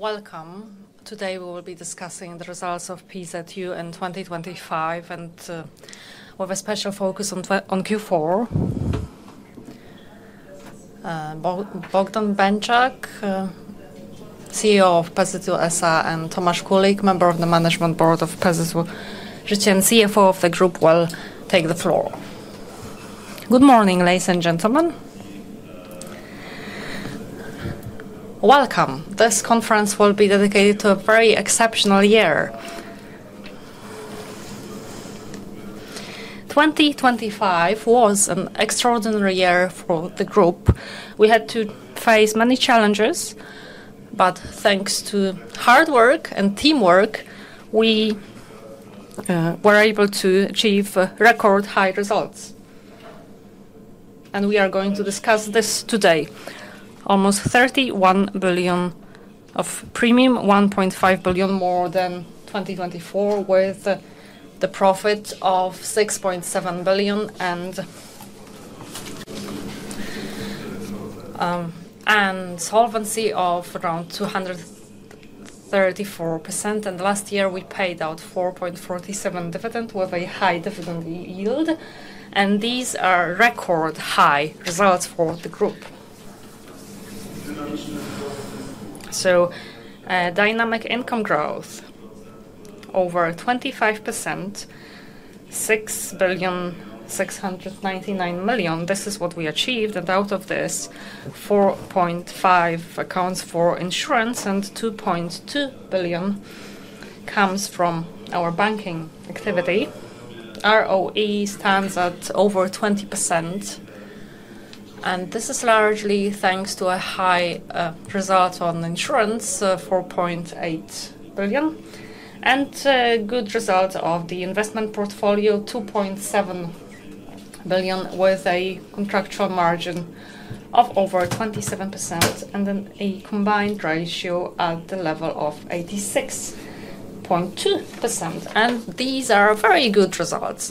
Welcome. Today, we will be discussing the results of PZU in 2025, and with a special focus on Q4. Bogdan Benczak, CEO of PZU SA, and Tomasz Kulik, Member of the Management Board of PZU, Chief and CFO of the PZU Group, will take the floor. Good morning, ladies and gentlemen. Welcome! This conference will be dedicated to a very exceptional year. 2025 was an extraordinary year for the PZU Group. We had to face many challenges, but thanks to hard work and teamwork, we were able to achieve record-high results. We are going to discuss this today. Almost 31 billion of premium, 1.5 billion more than 2024, with the profit of 6.7 billion and solvency of around 234%. Last year, we paid out 4.47 dividend, with a high dividend yield. These are record-high results for the group. Dynamic income growth, over 25%, 6.699 billion, this is what we achieved. Out of this, 4.5 billion accounts for insurance, and 2.2 billion comes from our banking activity. ROE stands at over 20%, and this is largely thanks to a high result on insurance, 4.8 billion, and good result of the investment portfolio, 2.7 billion, with a contractual margin of over 27%, a combined ratio at the level of 86.2%. These are very good results.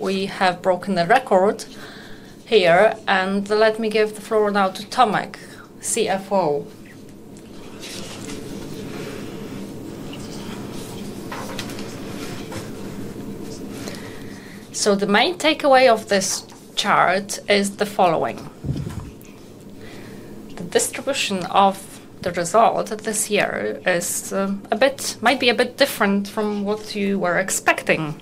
We have broken the record here. Let me give the floor now to Tomek, CFO. The main takeaway of this chart is the following: The distribution of the result this year is, might be a bit different from what you were expecting.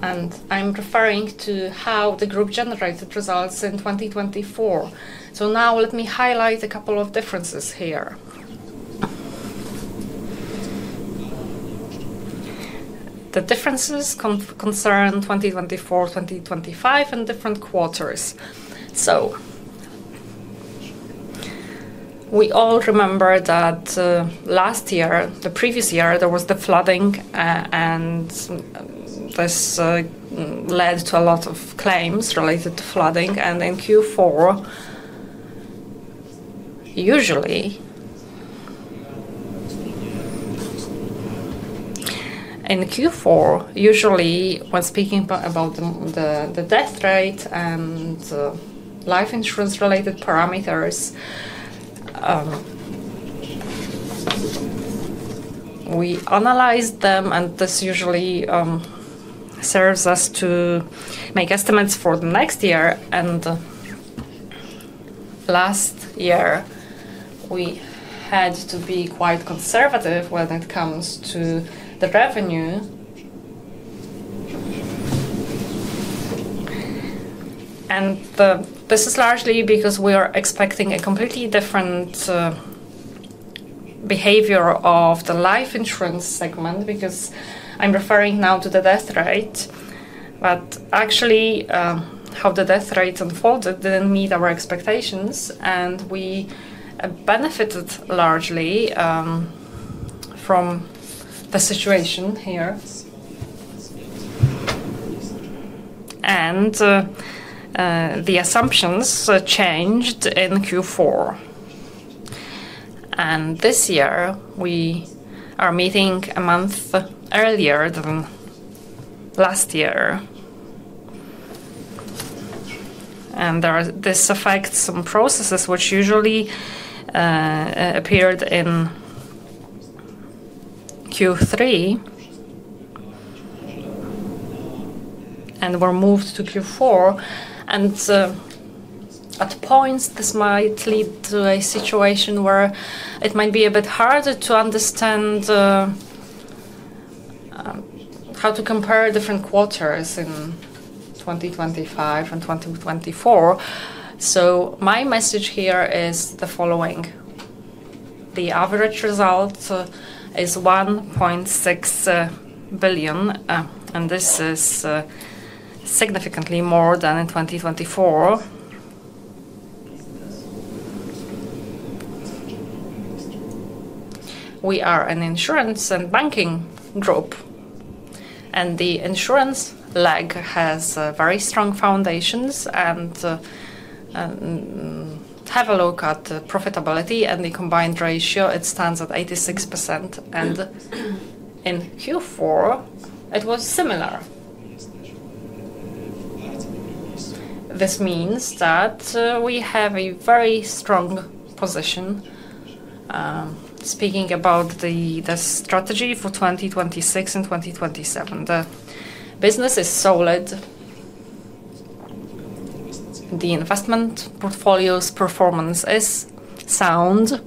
I'm referring to how the group generated results in 2024. Now let me highlight a couple of differences here. The differences concern 2024, 2025, and different quarters. We all remember that last year, the previous year, there was the flooding, and this led to a lot of claims related to flooding. In Q4, usually, when speaking about the, the death rate and life insurance-related parameters, we analyze them, and this usually serves us to make estimates for the next year. Last year, we had to be quite conservative when it comes to the revenue. The... This is largely because we are expecting a completely different behavior of the life insurance segment, because I'm referring now to the death rate. Actually, how the death rate unfolded didn't meet our expectations, and we benefited largely from the situation here. The assumptions changed in Q4. This year, we are meeting a month earlier than last year. This affects some processes which usually appeared in Q3 and were moved to Q4. At points, this might lead to a situation where it might be a bit harder to understand how to compare different quarters in 2025 and 2024. My message here is the following: the average result is 1.6 billion, and this is significantly more than in 2024. We are an insurance and banking group. The insurance leg has very strong foundations. Have a look at the profitability and the combined ratio. It stands at 86%. In Q4, it was similar. This means that we have a very strong position speaking about the strategy for 2026 and 2027. The business is solid. The investment portfolio's performance is sound.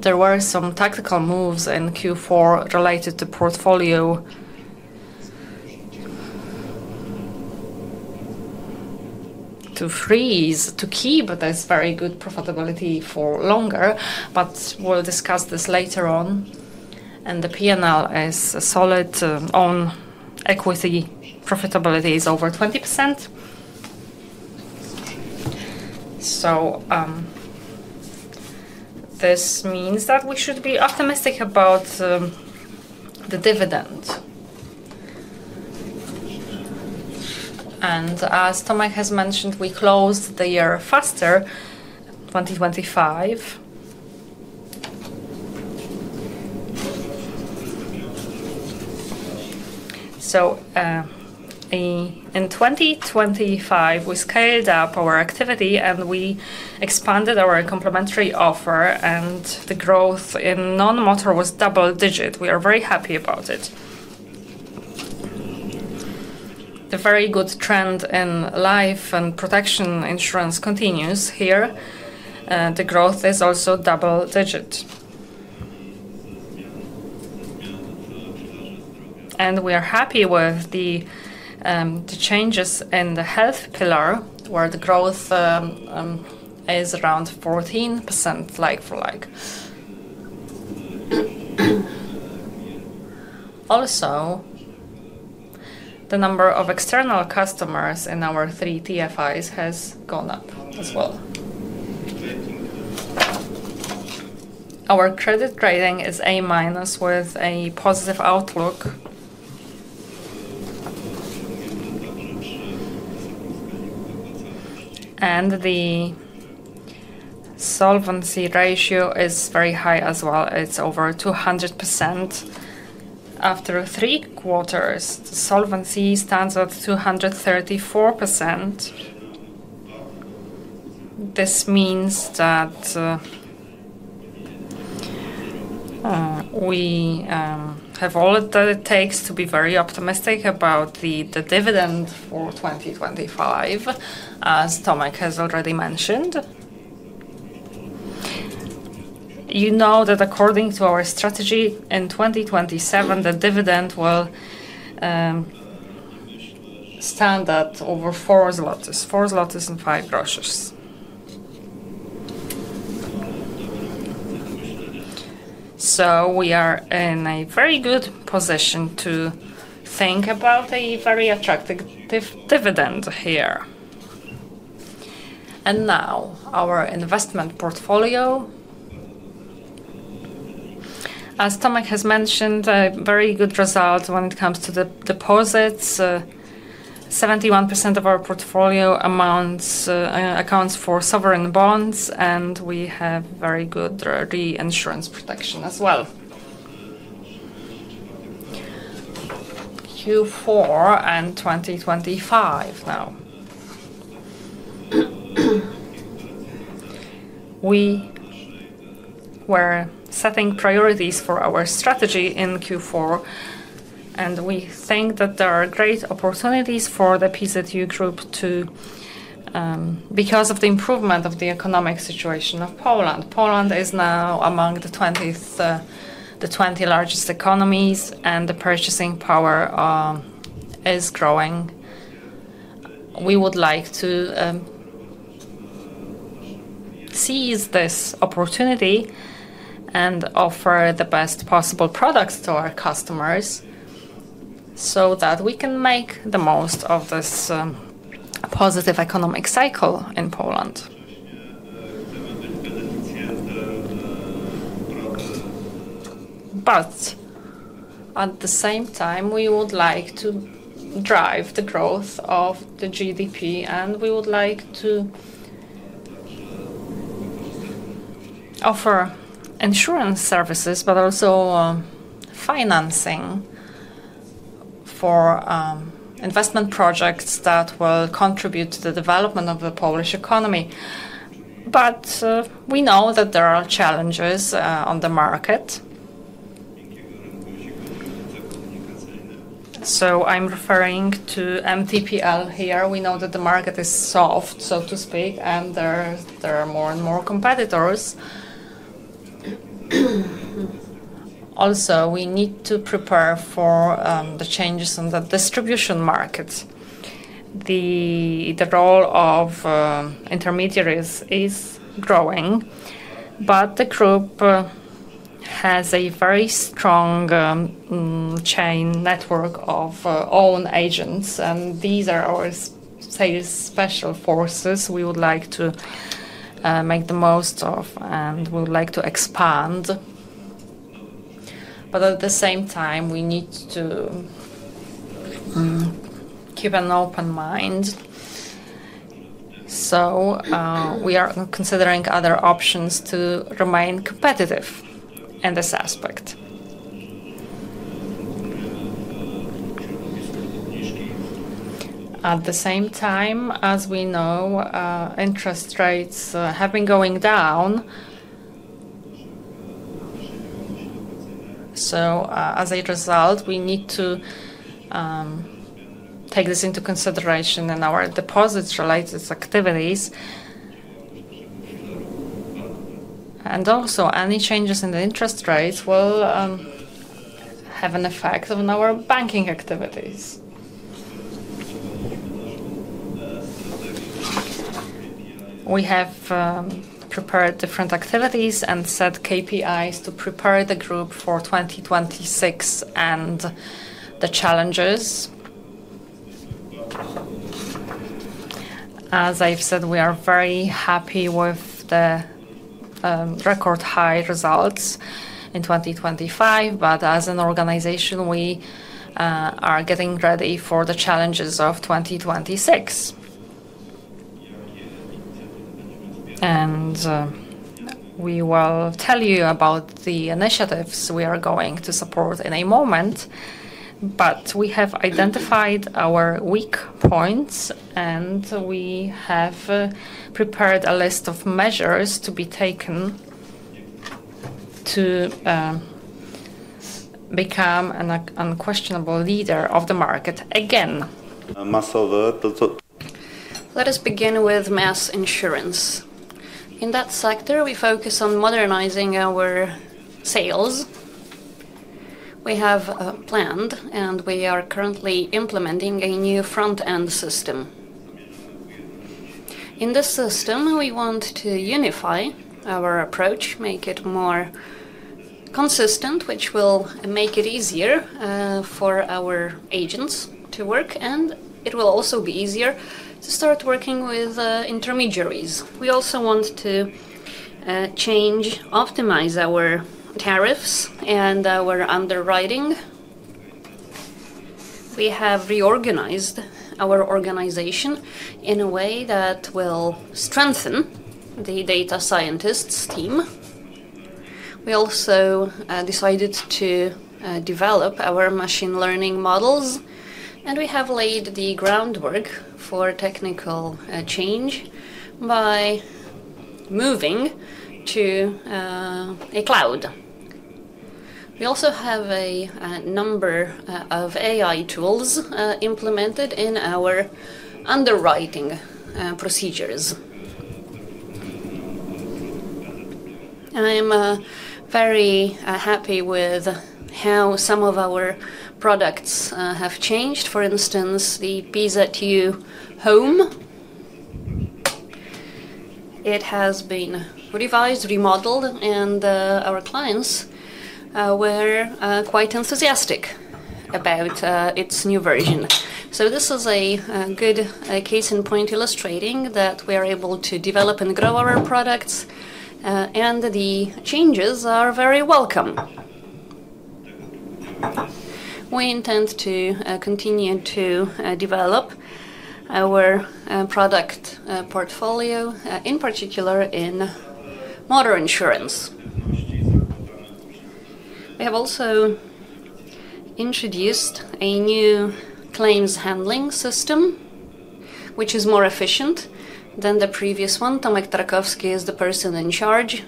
There were some tactical moves in Q4 related to portfolio to freeze, to keep this very good profitability for longer. We'll discuss this later on. The P&L is solid. On equity, profitability is over 20%. This means that we should be optimistic about the dividend. As Tomek has mentioned, we closed the year faster, 2025. In 2025, we scaled up our activity. We expanded our complementary offer. The growth in non-motor was double digit. We are very happy about it. The very good trend in life and protection insurance continues here. The growth is also double digit. We are happy with the changes in the health pillar, where the growth is around 14% like-for-like. The number of external customers in our three TFIs has gone up as well. Our credit rating is A minus with a positive outlook. The solvency ratio is very high as well. It's over 200%. After three quarters, the solvency stands at 234%. This means that we have all that it takes to be very optimistic about the dividend for 2025, as Tomek has already mentioned. You know that according to our strategy, in 2027, the dividend will stand at over 4 zlotys, 4 zlotys and 5 groszy. We are in a very good position to think about a very attractive dividend here. Now, our investment portfolio. As Tomek has mentioned, a very good result when it comes to the deposits. 71% of our portfolio amounts accounts for sovereign bonds, and we have very good reinsurance protection as well. Q4 and 2025 now. We were setting priorities for our strategy in Q4, and we think that there are great opportunities for the PZU Group to... Because of the improvement of the economic situation of Poland is now among the 20th, the 20 largest economies, and the purchasing power is growing. We would like to seize this opportunity and offer the best possible products to our customers so that we can make the most of this positive economic cycle in Poland. At the same time, we would like to drive the growth of the GDP, and we would like to offer insurance services, but also financing for investment projects that will contribute to the development of the Polish economy. We know that there are challenges on the market. I'm referring to MTPL here. We know that the market is soft, so to speak, and there are more and more competitors. We need to prepare for the changes in the distribution market. The role of intermediaries is growing, but the Group has a very strong chain network of own agents, and these are our sales special forces we would like to make the most of, and we would like to expand. At the same time, we need to keep an open mind. We are considering other options to remain competitive in this aspect. At the same time, as we know, interest rates have been going down. As a result, we need to take this into consideration in our deposits-related activities. Any changes in the interest rates will have an effect on our banking activities. We have prepared different activities and set KPIs to prepare the group for 2026 and the challenges. As I've said, we are very happy with the record high results in 2025. As an organization, we are getting ready for the challenges of 2026. We will tell you about the initiatives we are going to support in a moment, but we have identified our weak points, and we have prepared a list of measures to be taken to become an unquestionable leader of the market again. Let us begin with mass insurance. In that sector, we focus on modernizing our sales. We have planned, and we are currently implementing a new front-end system. In this system, we want to unify our approach, make it more consistent, which will make it easier for our agents to work, and it will also be easier to start working with intermediaries. We also want to change, optimize our tariffs and our underwriting. We have reorganized our organization in a way that will strengthen the data scientists team. We also decided to develop our machine learning models, and we have laid the groundwork for technical change by moving to a cloud. We also have a number of AI tools implemented in our underwriting procedures. I am very happy with how some of our products have changed. For instance, the PZU Home, it has been revised, remodeled, and our clients were quite enthusiastic about its new version. This is a good case in point illustrating that we are able to develop and grow our products, and the changes are very welcome. We intend to continue to develop our product portfolio in particular in motor insurance. We have also introduced a new claims handling system, which is more efficient than the previous one. Tomasz Tarkowski is the person in charge.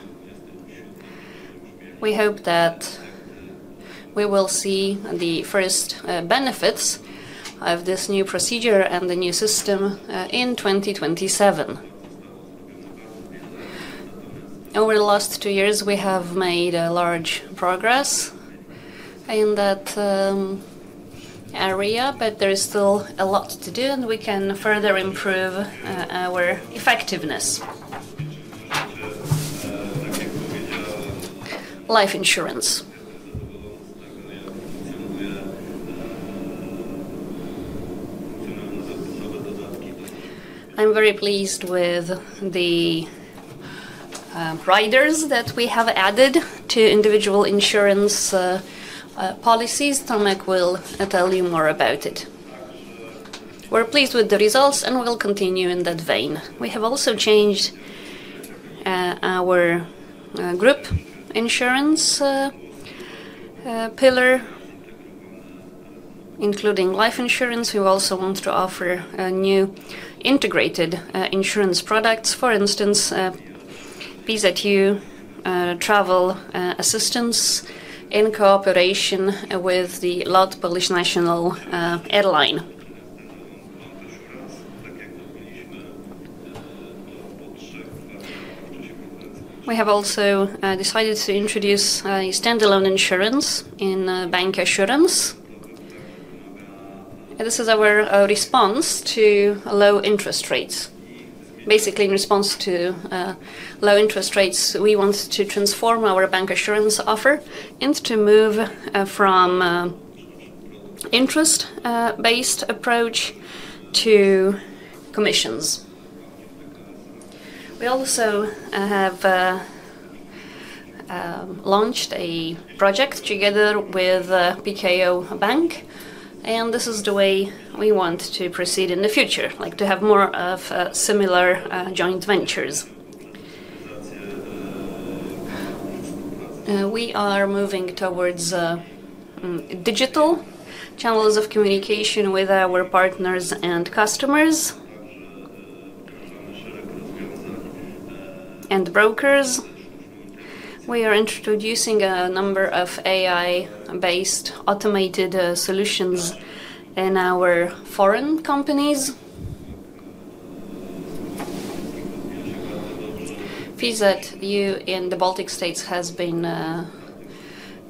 We hope that we will see the first benefits of this new procedure and the new system in 2027. Over the last two years, we have made a large progress in that area, but there is still a lot to do, and we can further improve our effectiveness. Life insurance. I'm very pleased with the riders that we have added to individual insurance policies. Tomek will tell you more about it. We're pleased with the results and we'll continue in that vein. We have also changed our group insurance pillar, including life insurance. We also want to offer a new integrated insurance products. For instance, PZU travel assistance in cooperation with the LOT Polish Airlines. We have also decided to introduce a standalone insurance in bancassurance. This is our response to low interest rates. Basically, in response to low interest rates, we want to transform our bancassurance offer and to move from interest based approach to commissions. We also have. um, launched a project together with, uh, PKO Bank, and this is the way we want to proceed in the future, like to have more of, uh, similar, uh, joint ventures. Uh, we are moving towards, uh, um, digital channels of communication with our partners and customers, and brokers. We are introducing a number of AI-based automated, uh, solutions in our foreign companies. PZU in the Baltic States has been, uh,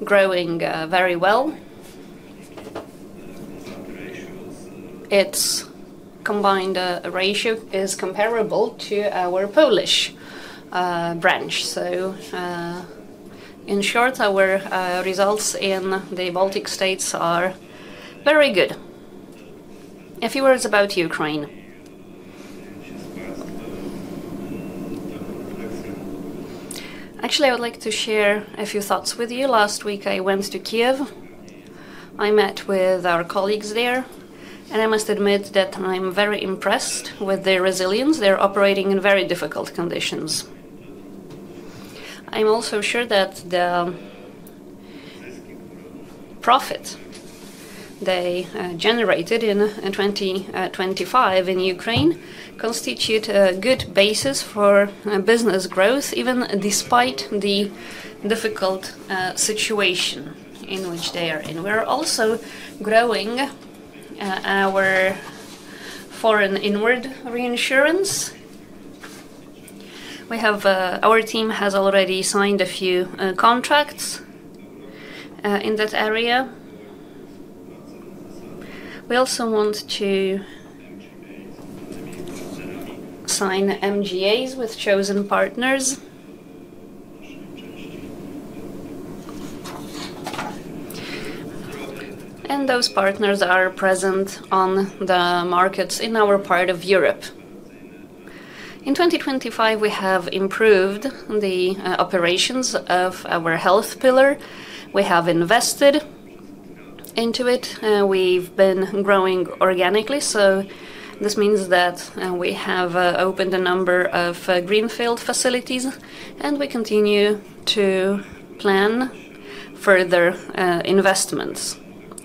growing, uh, very well. Its combined, uh, ratio is comparable to our Polish, uh, branch. So, uh, in short, our, uh, results in the Baltic States are very good. A few words about Ukraine. Actually, I would like to share a few thoughts with you. Last week, I went to Kyiv. I met with our colleagues there, and I must admit that I'm very impressed with their resilience. They're operating in very difficult conditions. I'm also sure that the profit they generated in 2025 in Ukraine constitute a good basis for business growth, even despite the difficult situation in which they are in. We're also growing our foreign inward reinsurance. Our team has already signed a few contracts in that area. We also want to sign MGAs with chosen partners. Those partners are present on the markets in our part of Europe. In 2025, we have improved the operations of our health pillar. We have invested into it, and we've been growing organically, so this means that we have opened a number of greenfield facilities, and we continue to plan further investments.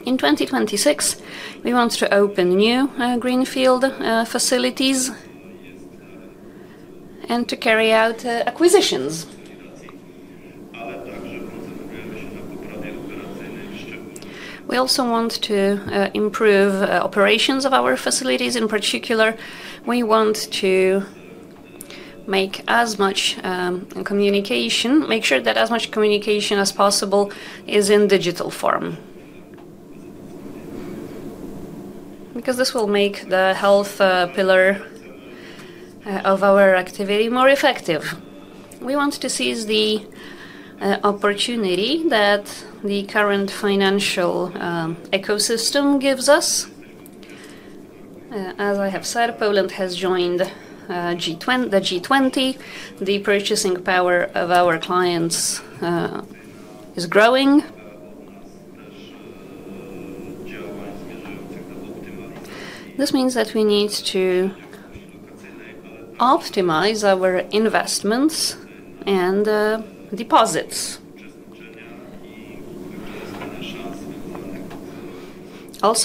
In 2026, we want to open new greenfield facilities and to carry out acquisitions. We want to improve operations of our facilities. In particular, we want to make sure that as much communication as possible is in digital form. This will make the health pillar of our activity more effective. We want to seize the opportunity that the current financial ecosystem gives us. As I have said, Poland has joined the G20. The purchasing power of our clients is growing. This means that we need to optimize our investments and deposits.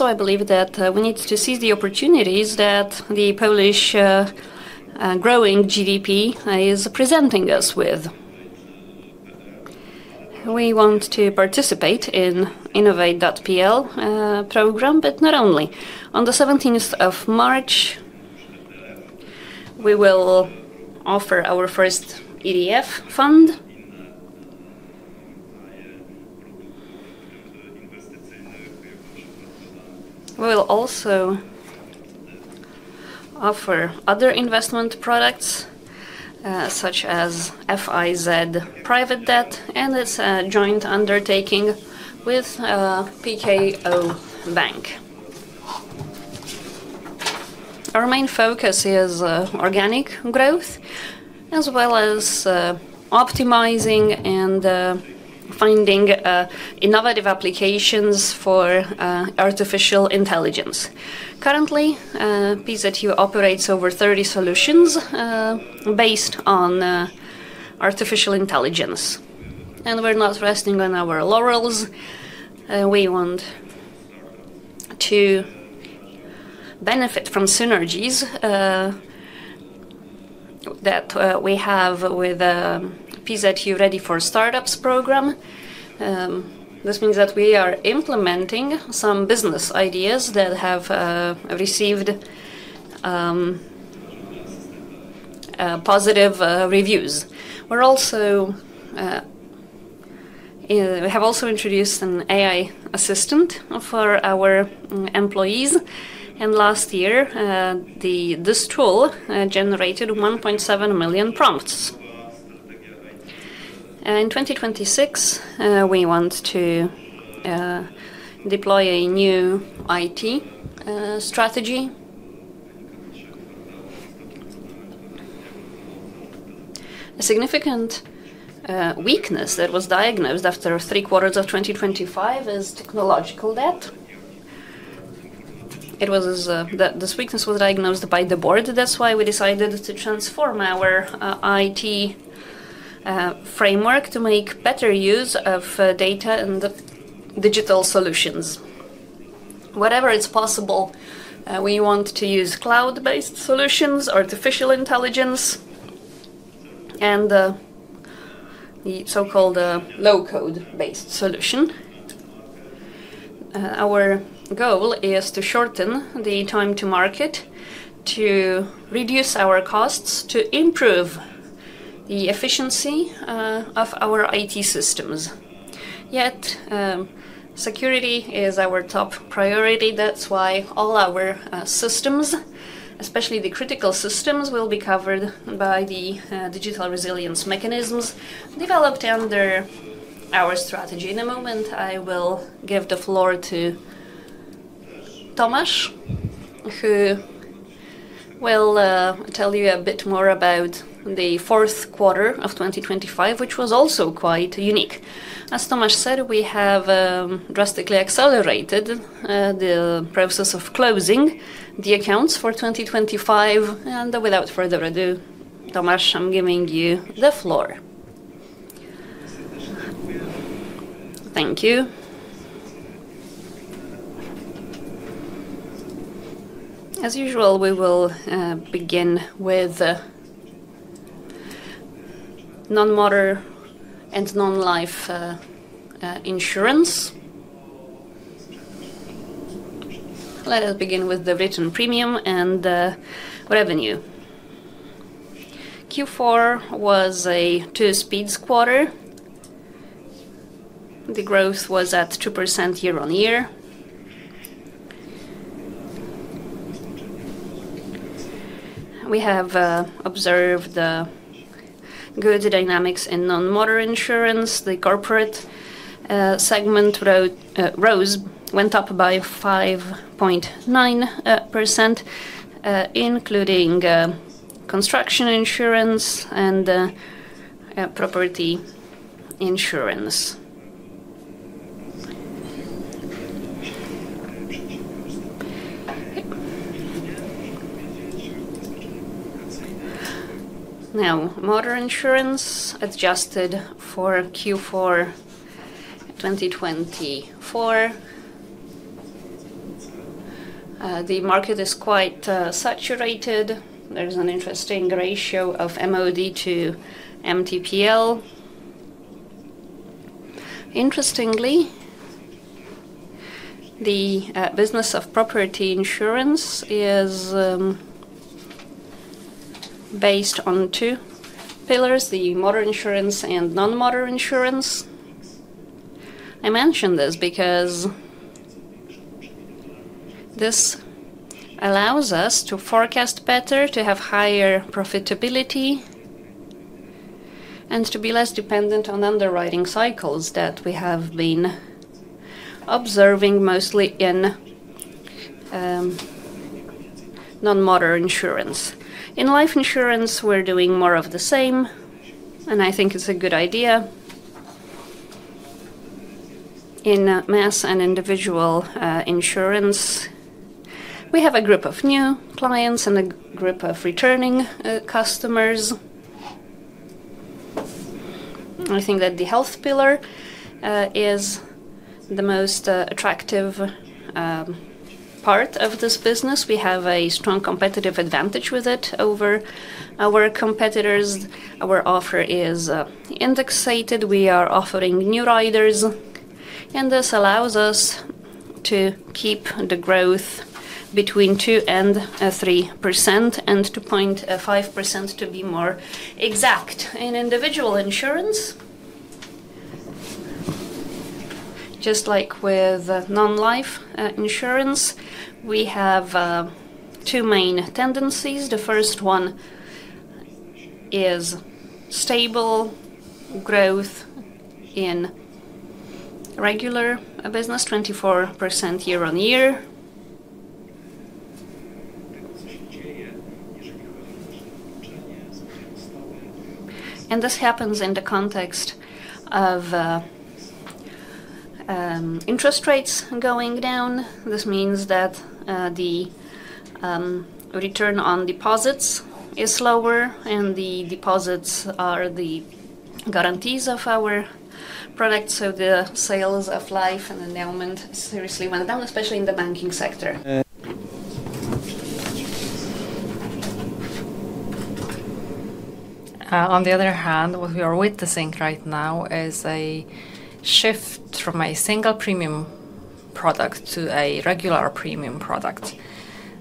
I believe that we need to seize the opportunities that the Polish growing GDP is presenting us with. We want to participate in Innowo.pl, not only. On the 17th of March, we will offer our first ETF fund. We will also offer other investment products, such as FIZ Private Debt, and it's a joint undertaking with PKO Bank. Our main focus is organic growth, as well as optimizing and finding innovative applications for artificial intelligence. Currently, PZU operates over 30 solutions based on artificial intelligence, and we're not resting on our laurels. We want to benefit from synergies that we have with PZU Ready for Startups program. This means that we are implementing some business ideas that have received positive reviews. We have also introduced an AI assistant for our employees, and last year, this tool generated 1.7 million prompts. In 2026, we want to deploy a new IT strategy. A significant weakness that was diagnosed after 3 quarters of 2025 is technological debt. It was this weakness was diagnosed by the board, we decided to transform our IT framework to make better use of data and the digital solutions. Wherever it's possible, we want to use cloud-based solutions, artificial intelligence, and the so-called low-code based solution. Our goal is to shorten the time to market, to reduce our costs, to improve the efficiency of our IT systems. Security is our top priority, all our systems, especially the critical systems, will be covered by the digital resilience mechanisms developed under our strategy. In a moment, I will give the floor to Tomasz, who will tell you a bit more about the fourth quarter of 2025, which was also quite unique. As Tomasz said, we have drastically accelerated the process of closing the accounts for 2025. Without further ado, Tomasz, I'm giving you the floor. Thank you. As usual, we will begin with non-motor and non-life insurance. Let us begin with the written premium and revenue. Q4 was a two-speed quarter. The growth was at 2% year-over-year. We have observed the good dynamics in non-motor insurance. The corporate segment went up by 5.9%, including construction insurance and property insurance. Motor insurance adjusted for Q4 2024. The market is quite saturated. There is an interesting ratio of MOD to MTPL. Interestingly, the business of property insurance is based on two pillars, the motor insurance and non-motor insurance. I mention this because this allows us to forecast better, to have higher profitability, and to be less dependent on underwriting cycles that we have been observing mostly in non-motor insurance. In life insurance, we're doing more of the same, and I think it's a good idea. In mass and individual insurance, we have a group of new clients and a group of returning customers. I think that the health pillar is the most attractive part of this business. We have a strong competitive advantage with it over our competitors. Our offer is indexated. We are offering new riders, and this allows us to keep the growth between 2% and 3%, and 2.5% to be more exact. In individual insurance, just like with non-life insurance, we have two main tendencies. The first one is stable growth in regular business, 24% year-over-year. This happens in the context of interest rates going down. This means that the return on deposits is lower, and the deposits are the guarantees of our products, so the sales of life and endowment seriously went down, especially in the banking sector. On the other hand, what we are witnessing right now is a shift from a single premium product to a regular premium product.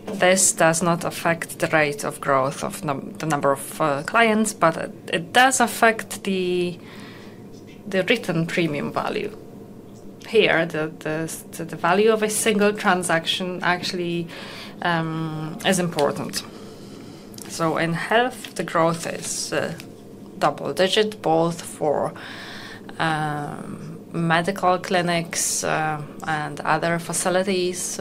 This does not affect the rate of growth of the number of clients, but it does affect the written premium value. Here, the value of a single transaction actually is important. In health, the growth is. double digit, both for medical clinics and other facilities.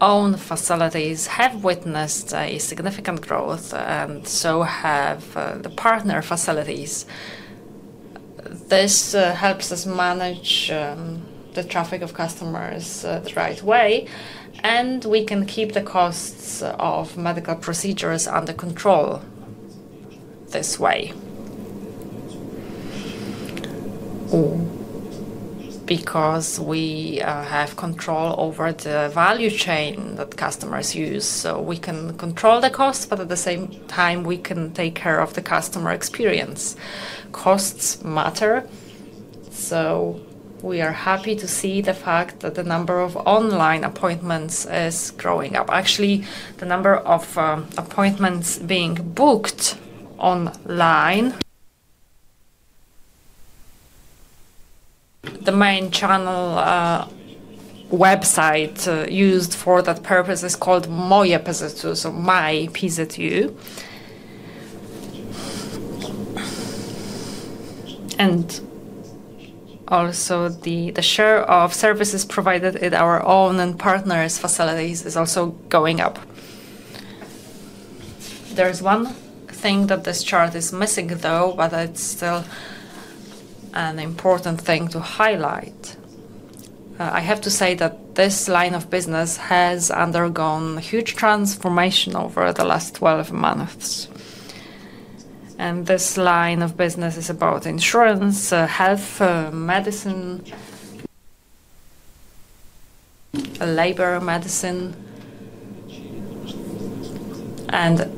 Own facilities have witnessed a significant growth, and so have the partner facilities. This helps us manage the traffic of customers the right way, and we can keep the costs of medical procedures under control this way. Because we have control over the value chain that customers use, so we can control the cost, but at the same time, we can take care of the customer experience. Costs matter, so we are happy to see the fact that the number of online appointments is growing up. Actually, the number of appointments being booked online, the main channel, website, used for that purpose is called mojePZU, so My PZU. Also, the share of services provided in our own and partners' facilities is also going up. There is one thing that this chart is missing, though. It's still an important thing to highlight. I have to say that this line of business has undergone huge transformation over the last 12 months. This line of business is about insurance, health, medicine, labor medicine, and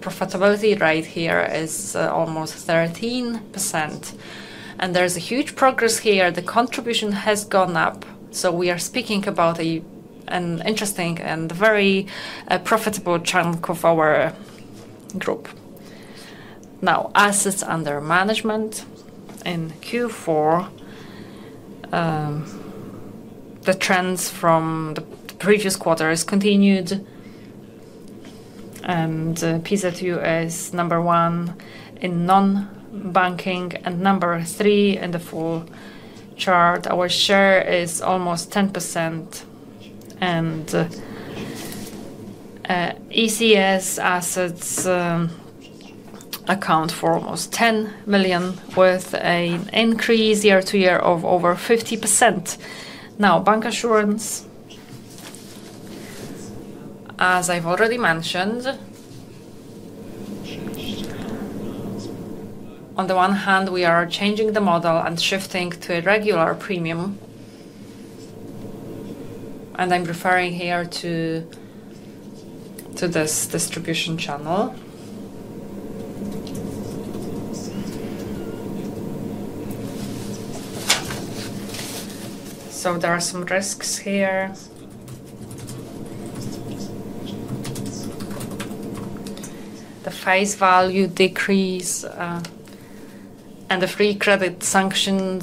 the profitability rate here is almost 13%. There's a huge progress here. The contribution has gone up, so we are speaking about an interesting and very profitable chunk of our group. Assets under management. In Q4, the trends from the previous quarter is continued. PZU is number 1 in non-banking and number 3 in the full chart. Our share is almost 10%. ECS assets account for almost 10 million, with an increase year-over-year of over 50%. Bancassurance, as I've already mentioned, on the one hand, we are changing the model and shifting to a regular premium. I'm referring here to this distribution channel. There are some risks here. The face value decrease and the free credit sanction.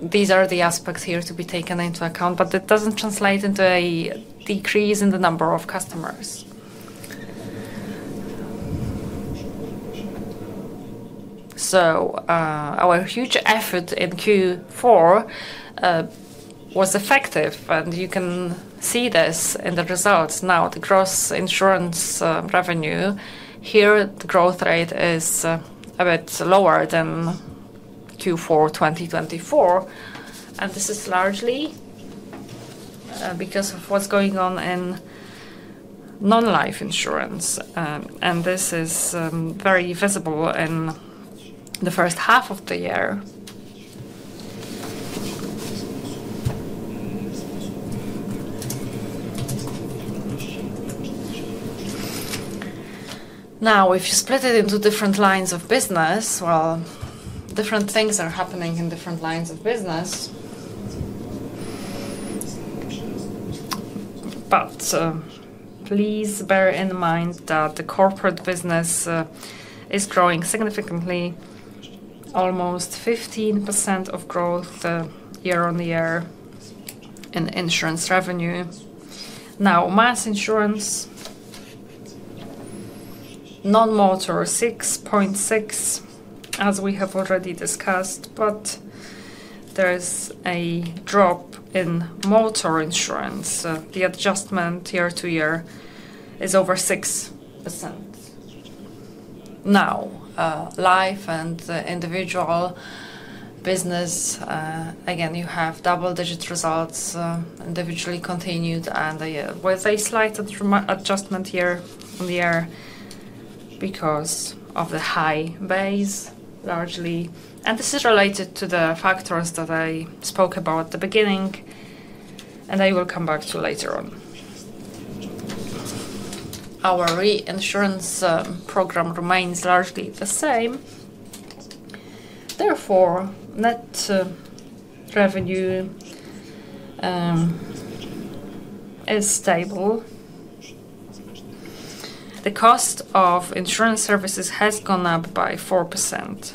These are the aspects here to be taken into account, it doesn't translate into a decrease in the number of customers. Our huge effort in Q4 was effective, you can see this in the results. The gross insurance revenue, here, the growth rate is a bit lower than Q4 2024, this is largely because of what's going on in non-life insurance. This is very visible in the first half of the year. If you split it into different lines of business, well, different things are happening in different lines of business. Please bear in mind that the corporate business is growing significantly, almost 15% of growth year-on-year in insurance revenue. Mass insurance, non-motor, 6.6, as we have already discussed, but there's a drop in motor insurance. The adjustment year-to-year is over 6%. Life and individual business, again, you have double-digit results, individually continued, and with a slight adjustment year-on-year because of the high base, largely. This is related to the factors that I spoke about at the beginning, and I will come back to later on. Our reinsurance program remains largely the same. Net revenue is stable. The cost of insurance services has gone up by 4%.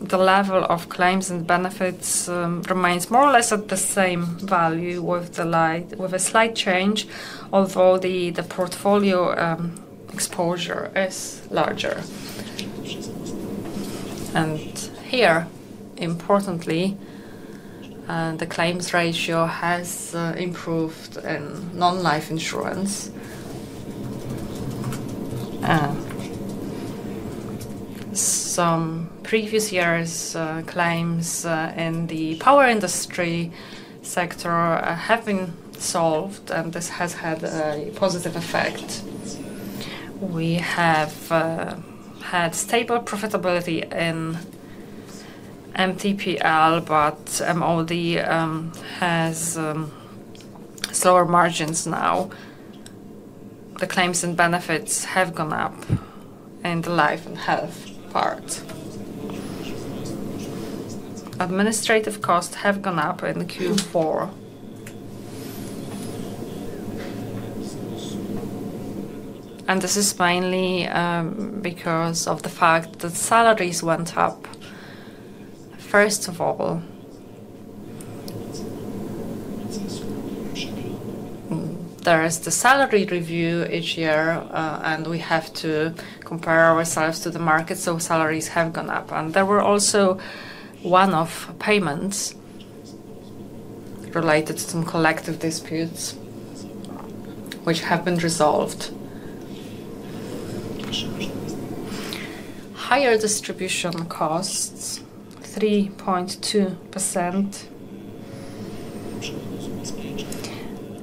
The level of claims and benefits remains more or less at the same value with a slight change, although the portfolio exposure is larger. Here, importantly, the claims ratio has improved in non-life insurance. Some previous years' claims in the power industry sector have been solved, and this has had a positive effect. We have had stable profitability in MTPL, but MOD has slower margins now. The claims and benefits have gone up in the life and health part. Administrative costs have gone up in Q4. This is mainly because of the fact that salaries went up. First of all, there is the salary review each year, and we have to compare ourselves to the market, so salaries have gone up. There were also one-off payments related to some collective disputes which have been resolved. Higher distribution costs, 3.2%.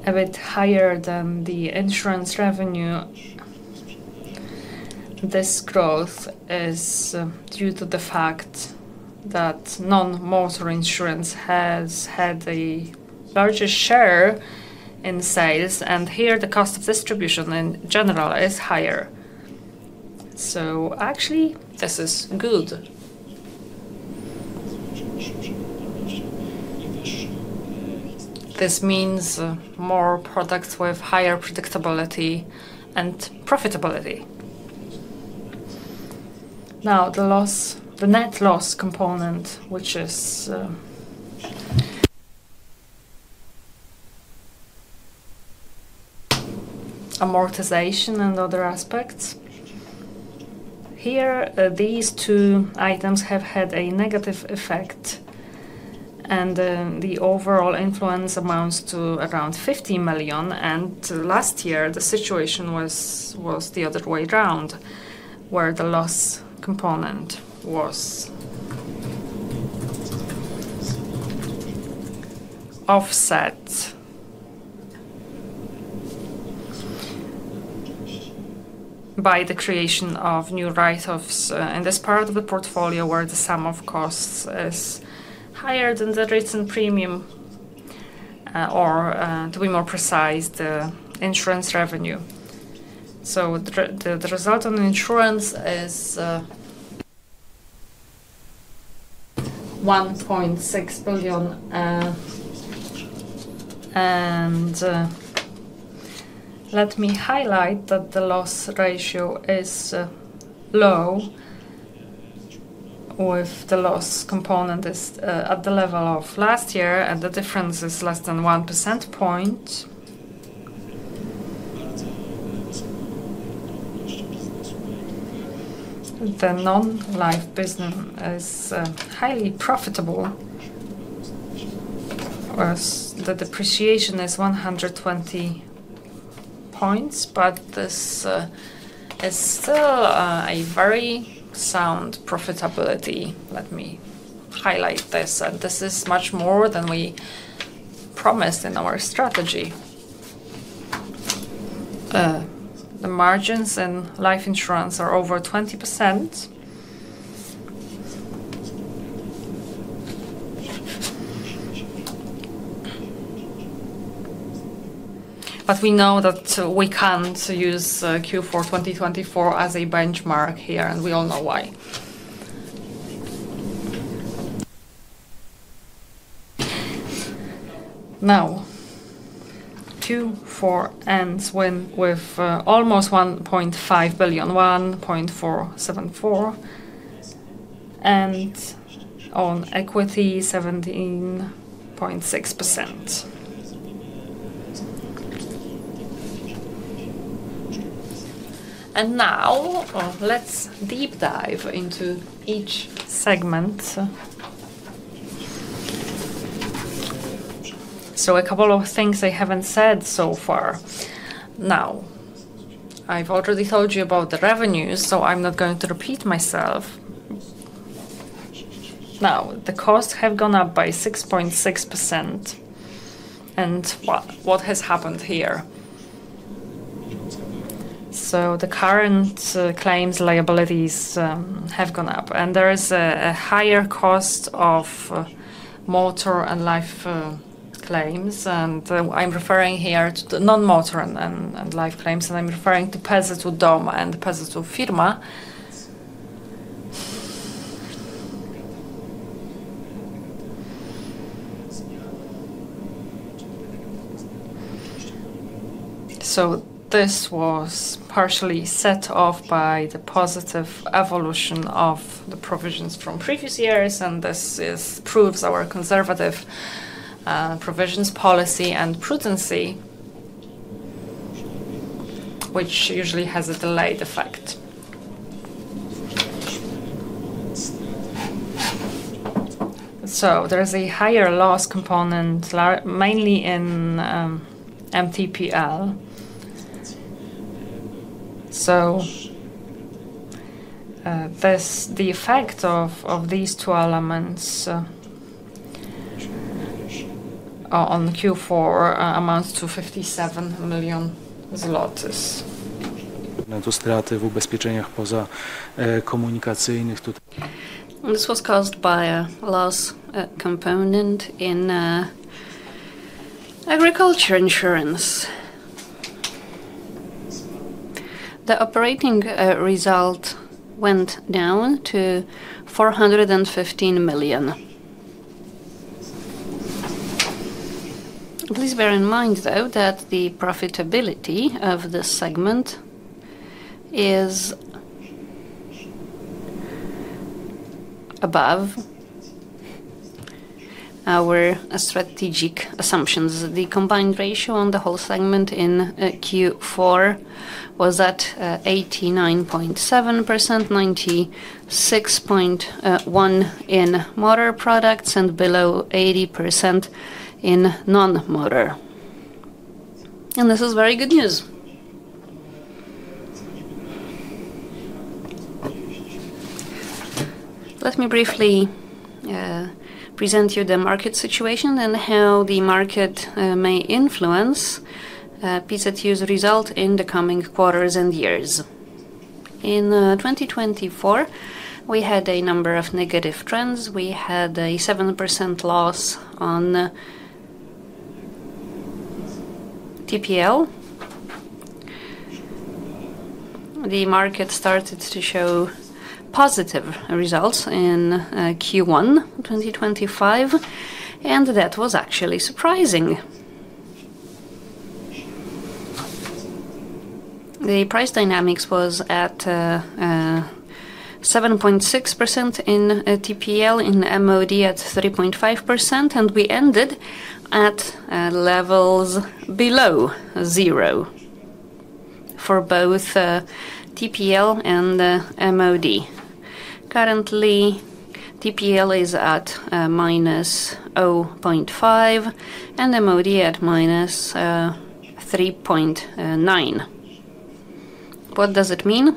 A bit higher than the insurance revenue. This growth is due to the fact that non-motor insurance has had a larger share in sales, and here the cost of distribution in general is higher. Actually this is good. This means more products with higher predictability and profitability. Now, the net loss component, which is amortization and other aspects. Here, these two items have had a negative effect. The overall influence amounts to around 50 million, and last year the situation was the other way around, where the loss component was... offset by the creation of new write-offs in this part of the portfolio, where the sum of costs is higher than the rates and premium, or to be more precise, the insurance revenue. The result on insurance is 1.6 billion. Let me highlight that the loss ratio is low, with the loss component at the level of last year, and the difference is less than 1 percentage point. The non-life business is highly profitable, whereas the depreciation is 120 points, but this is still a very sound profitability. Let me highlight this. This is much more than we promised in our strategy. The margins in life insurance are over 20%. We know that we can't use Q4 2024 as a benchmark here, and we all know why. Q4 ends with almost 1.5 billion, 1.474 billion, and on equity, 17.6%. Now, let's deep dive into each segment. A couple of things I haven't said so far. I've already told you about the revenues, so I'm not going to repeat myself. The costs have gone up by 6.6%, and what has happened here? The current claims liabilities have gone up, and there is a higher cost of motor and life claims. I'm referring here to the non-motor and life claims, and I'm referring to PZU Dom and PZU Firma. This was partially set off by the positive evolution of the provisions from previous years, and this proves our conservative provisions policy and prudency, which usually has a delayed effect. There is a higher loss component mainly in MTPL. This, the effect of these two elements on Q4 amounts to PLN 57 million. This was caused by a loss component in agriculture insurance. The operating result went down to 415 million. Please bear in mind, though, that the profitability of this segment is above our strategic assumptions. The combined ratio on the whole segment in Q4 was at 89.7%, 96.1% in motor products, and below 80% in non-motor. This is very good news! Let me briefly present you the market situation and how the market may influence PZU's result in the coming quarters and years. In 2024, we had a number of negative trends. We had a 7% loss on TPL. The market started to show positive results in Q1 2025, that was actually surprising. The price dynamics was at 7.6% in TPL, in MOD at 3.5%, and we ended at levels below zero for both TPL and MOD. Currently, TPL is at -0.5%, and MOD at -3.9%. What does it mean?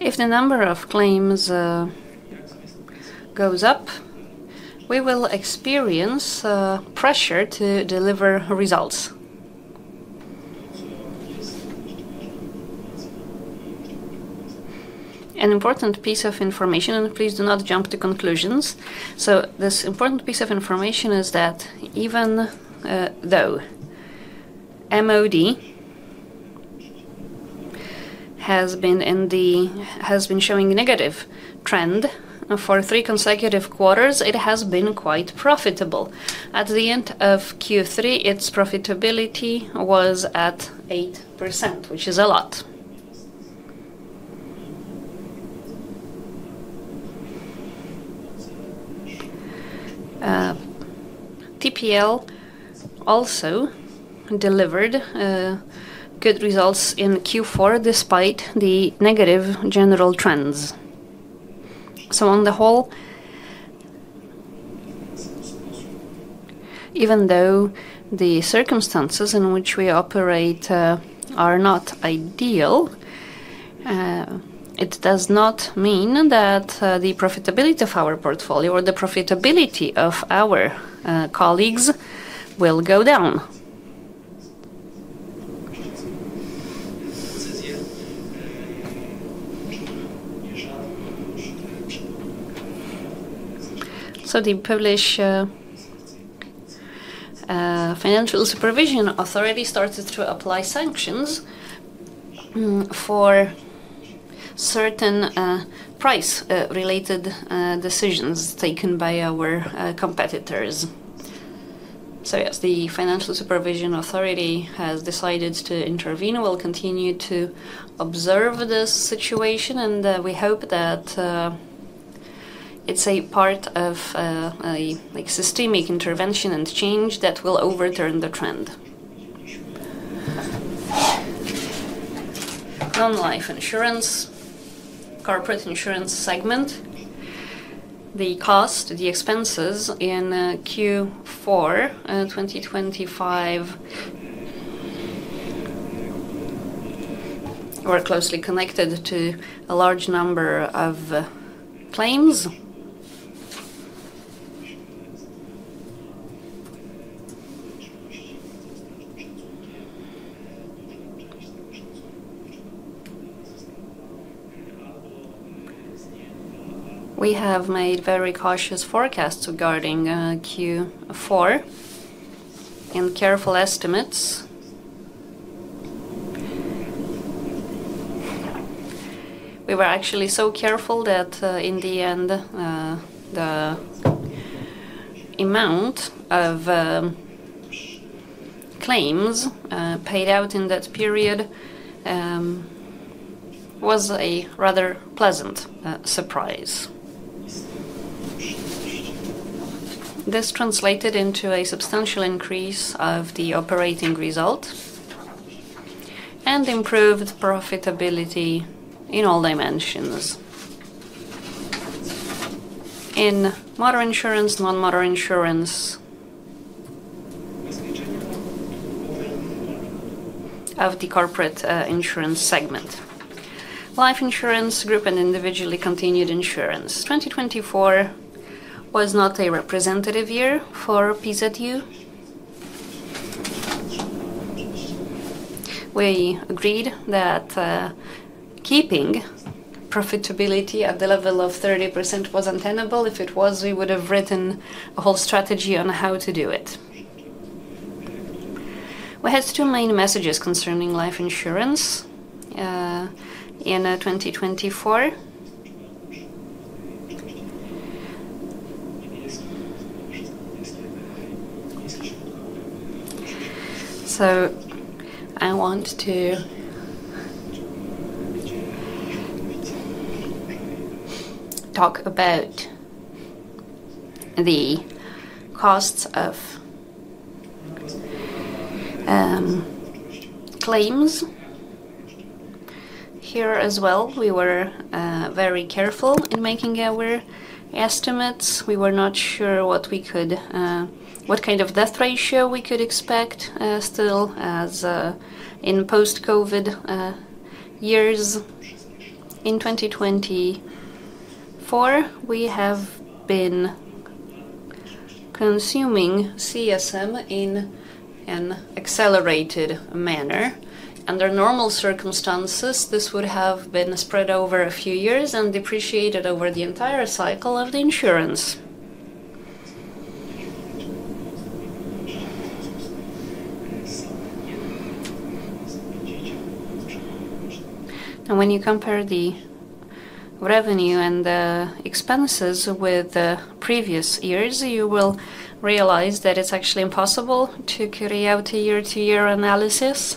If the number of claims goes up, we will experience pressure to deliver results. An important piece of information, please do not jump to conclusions. This important piece of information is that even though MOD has been showing negative trend for 3 consecutive quarters, it has been quite profitable. At the end of Q3, its profitability was at 8%, which is a lot. TPL also delivered good results in Q4, despite the negative general trends. On the whole, even though the circumstances in which we operate are not ideal, it does not mean that the profitability of our portfolio or the profitability of our colleagues will go down. The Polish Financial Supervision Authority started to apply sanctions for certain price related decisions taken by our competitors. Yes, the Financial Supervision Authority has decided to intervene. We'll continue to observe this situation, and we hope that it's a part of a, like, systemic intervention and change that will overturn the trend. Non-life insurance, corporate insurance segment, the cost, the expenses in Q4 2025 were closely connected to a large number of claims. We have made very cautious forecasts regarding Q4 and careful estimates. We were actually so careful that in the end, the amount of claims paid out in that period was a rather pleasant surprise. This translated into a substantial increase of the operating result and improved profitability in all dimensions. In motor insurance, non-motor insurance, of the corporate insurance segment. Life insurance group and individually continued insurance. 2024 was not a representative year for PZU. We agreed that keeping profitability at the level of 30% was untenable. If it was, we would have written a whole strategy on how to do it. We had two main messages concerning life insurance in 2024. I want to talk about the costs of claims. Here as well, we were very careful in making our estimates. We were not sure what we could what kind of death ratio we could expect still, as in post-COVID years. In 2024, we have been consuming CSM in an accelerated manner. Under normal circumstances, this would have been spread over a few years and depreciated over the entire cycle of the insurance. When you compare the revenue and the expenses with the previous years, you will realize that it's actually impossible to carry out a year-to-year analysis.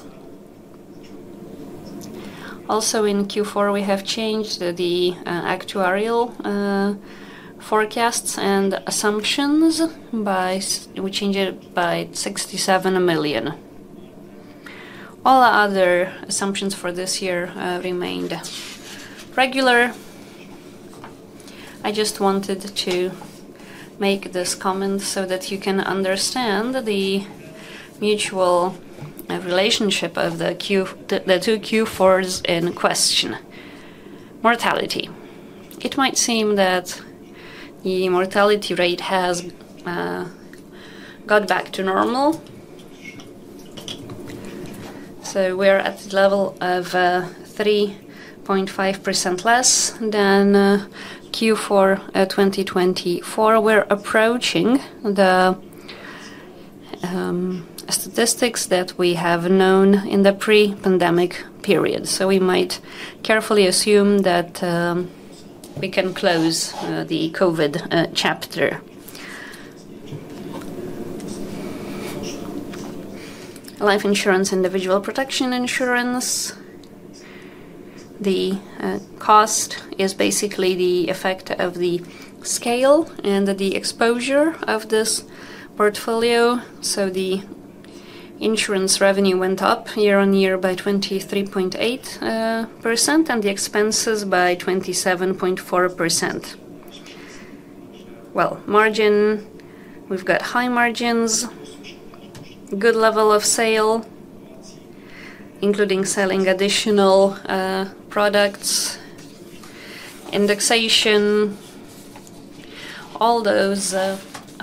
In Q4, we have changed the actuarial forecasts and assumptions by 67 million. All other assumptions for this year remained regular. I just wanted to make this comment so that you can understand the mutual relationship of the two Q4s in question. Mortality. It might seem that the mortality rate has got back to normal. We're at the level of 3.5% less than Q4 2024. We're approaching the statistics that we have known in the pre-pandemic period, we might carefully assume that we can close the COVID chapter. Life insurance, individual protection insurance. The cost is basically the effect of the scale and the exposure of this portfolio. The insurance revenue went up year-on-year by 23.8%, and the expenses by 27.4%. Margin, we've got high margins, good level of sale, including selling additional products, indexation. All those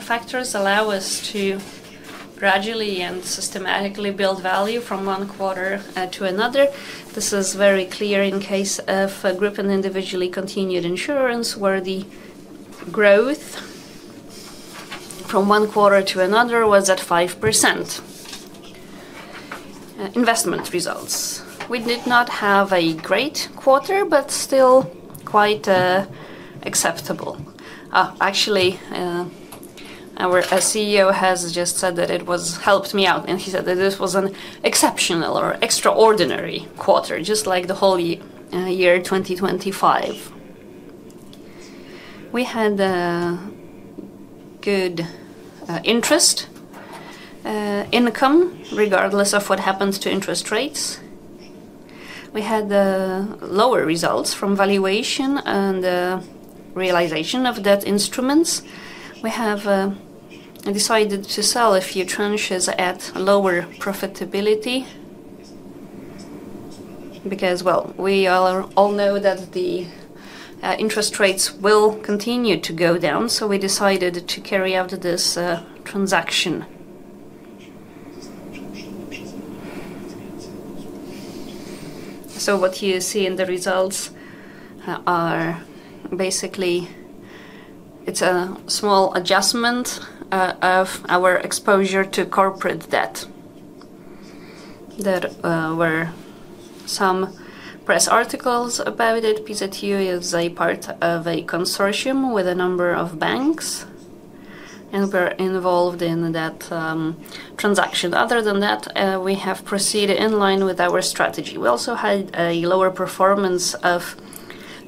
factors allow us to gradually and systematically build value from one quarter to another. This is very clear in case of a group and individually continued insurance, where the growth from one quarter to another was at 5%. Investment results. We did not have a great quarter, but still quite acceptable. Actually, our CEO has just said that it was helped me out, and he said that this was an exceptional or extraordinary quarter, just like the whole year 2025. We had a good interest income, regardless of what happens to interest rates. We had lower results from valuation and realization of debt instruments. We have decided to sell a few tranches at lower profitability because, well, we all know that the interest rates will continue to go down, so we decided to carry out this transaction. What you see in the results are basically, it's a small adjustment of our exposure to corporate debt. There were some press articles about it. PZU is a part of a consortium with a number of banks, and we're involved in that transaction. Other than that, we have proceeded in line with our strategy. We also had a lower performance of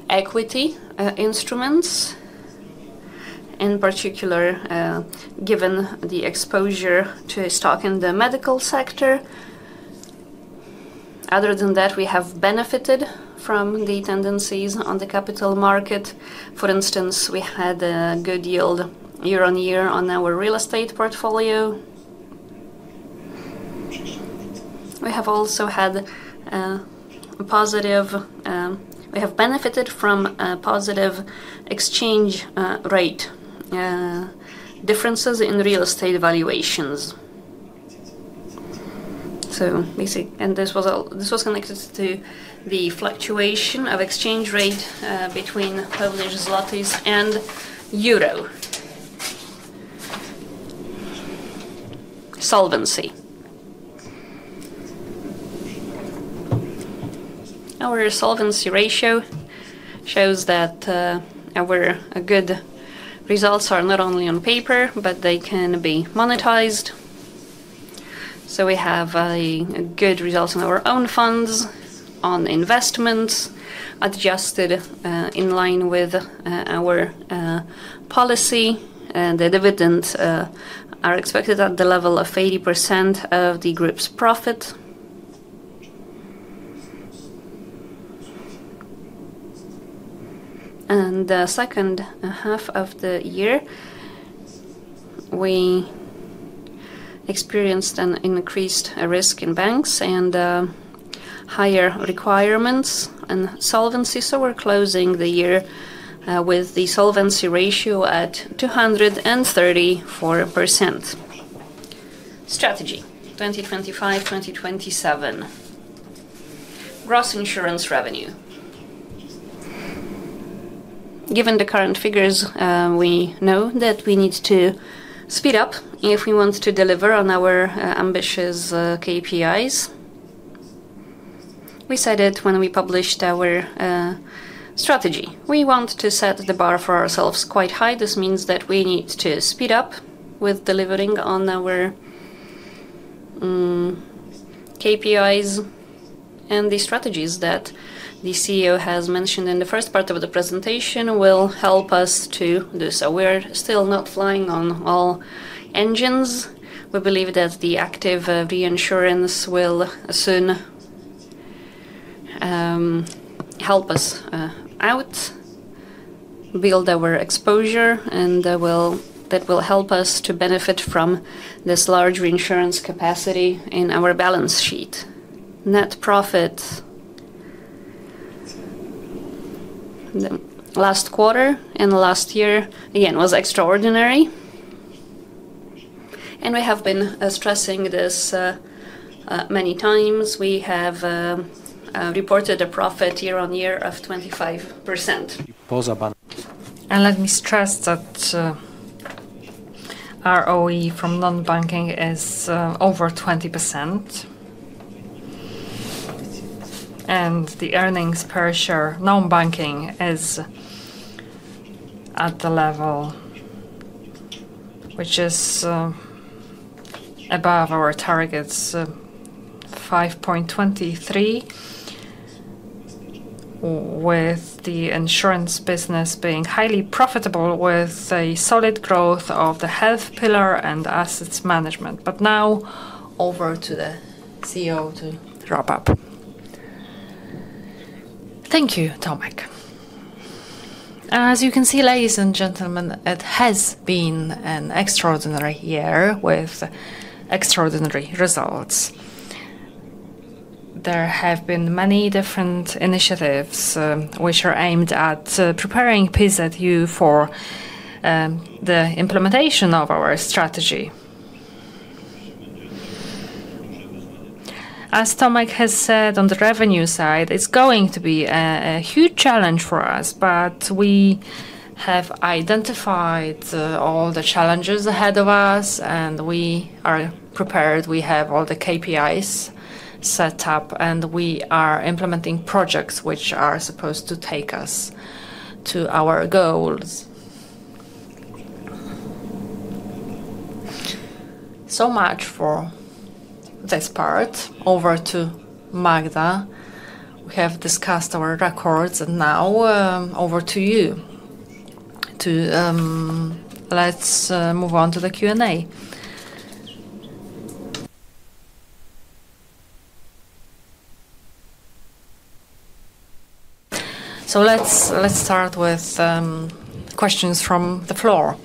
equity instruments, in particular given the exposure to stock in the medical sector. We have benefited from the tendencies on the capital market. For instance, we had a good yield year on year on our real estate portfolio. We have also had a positive exchange rate differences in real estate valuations. This was connected to the fluctuation of exchange rate between Polish zlotys and euro. Solvency. Our solvency ratio shows that our good results are not only on paper, but they can be monetized. We have a good result on our own funds, on investments, adjusted in line with our policy, and the dividends are expected at the level of 80% of the PZU Group's profit. The second half of the year, we experienced an increased risk in banks and higher requirements and solvency, we're closing the year with the solvency ratio at 234%. Strategy. 2025, 2027. Gross insurance revenue. Given the current figures, we know that we need to speed up if we want to deliver on our ambitious KPIs. We said it when we published our strategy. We want to set the bar for ourselves quite high. This means that we need to speed up with delivering on our KPIs, the strategies that the CEO has mentioned in the first part of the presentation will help us to do so. We're still not flying on all engines. We believe that the active reinsurance will soon help us out, build our exposure, and will... That will help us to benefit from this large reinsurance capacity in our balance sheet. Net profit. The last quarter and the last year, again, was extraordinary, and we have been stressing this many times. We have reported a profit year-over-year of 25%. Let me stress that our OE from non-banking is over 20%. The earnings per share, non-banking is at the level, which is above our targets, 5.23, with the insurance business being highly profitable, with a solid growth of the health pillar and assets management. Now over to the CEO to wrap up. Thank you, Tomek. As you can see, ladies and gentlemen, it has been an extraordinary year with extraordinary results. There have been many different initiatives which are aimed at preparing PZU for the implementation of our strategy. As Tomek has said, on the revenue side, it's going to be a huge challenge for us, but we have identified all the challenges ahead of us, and we are prepared. We have all the KPIs set up, and we are implementing projects which are supposed to take us to our goals. Much for this part. Over to Magda. We have discussed our records, now over to you. Let's move on to the Q&A. Let's start with questions from the floor.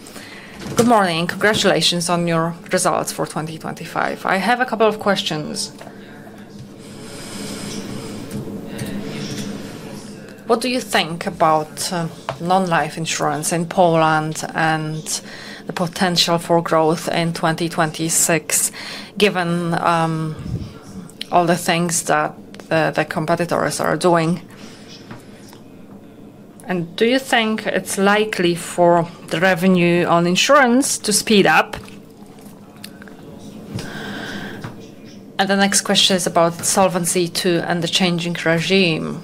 Good morning. Congratulations on your results for 2025. I have a couple of questions.... What do you think about non-life insurance in Poland and the potential for growth in 2026, given all the things that the competitors are doing? Do you think it's likely for the revenue on insurance to speed up? The next question is about Solvency II and the changing regime.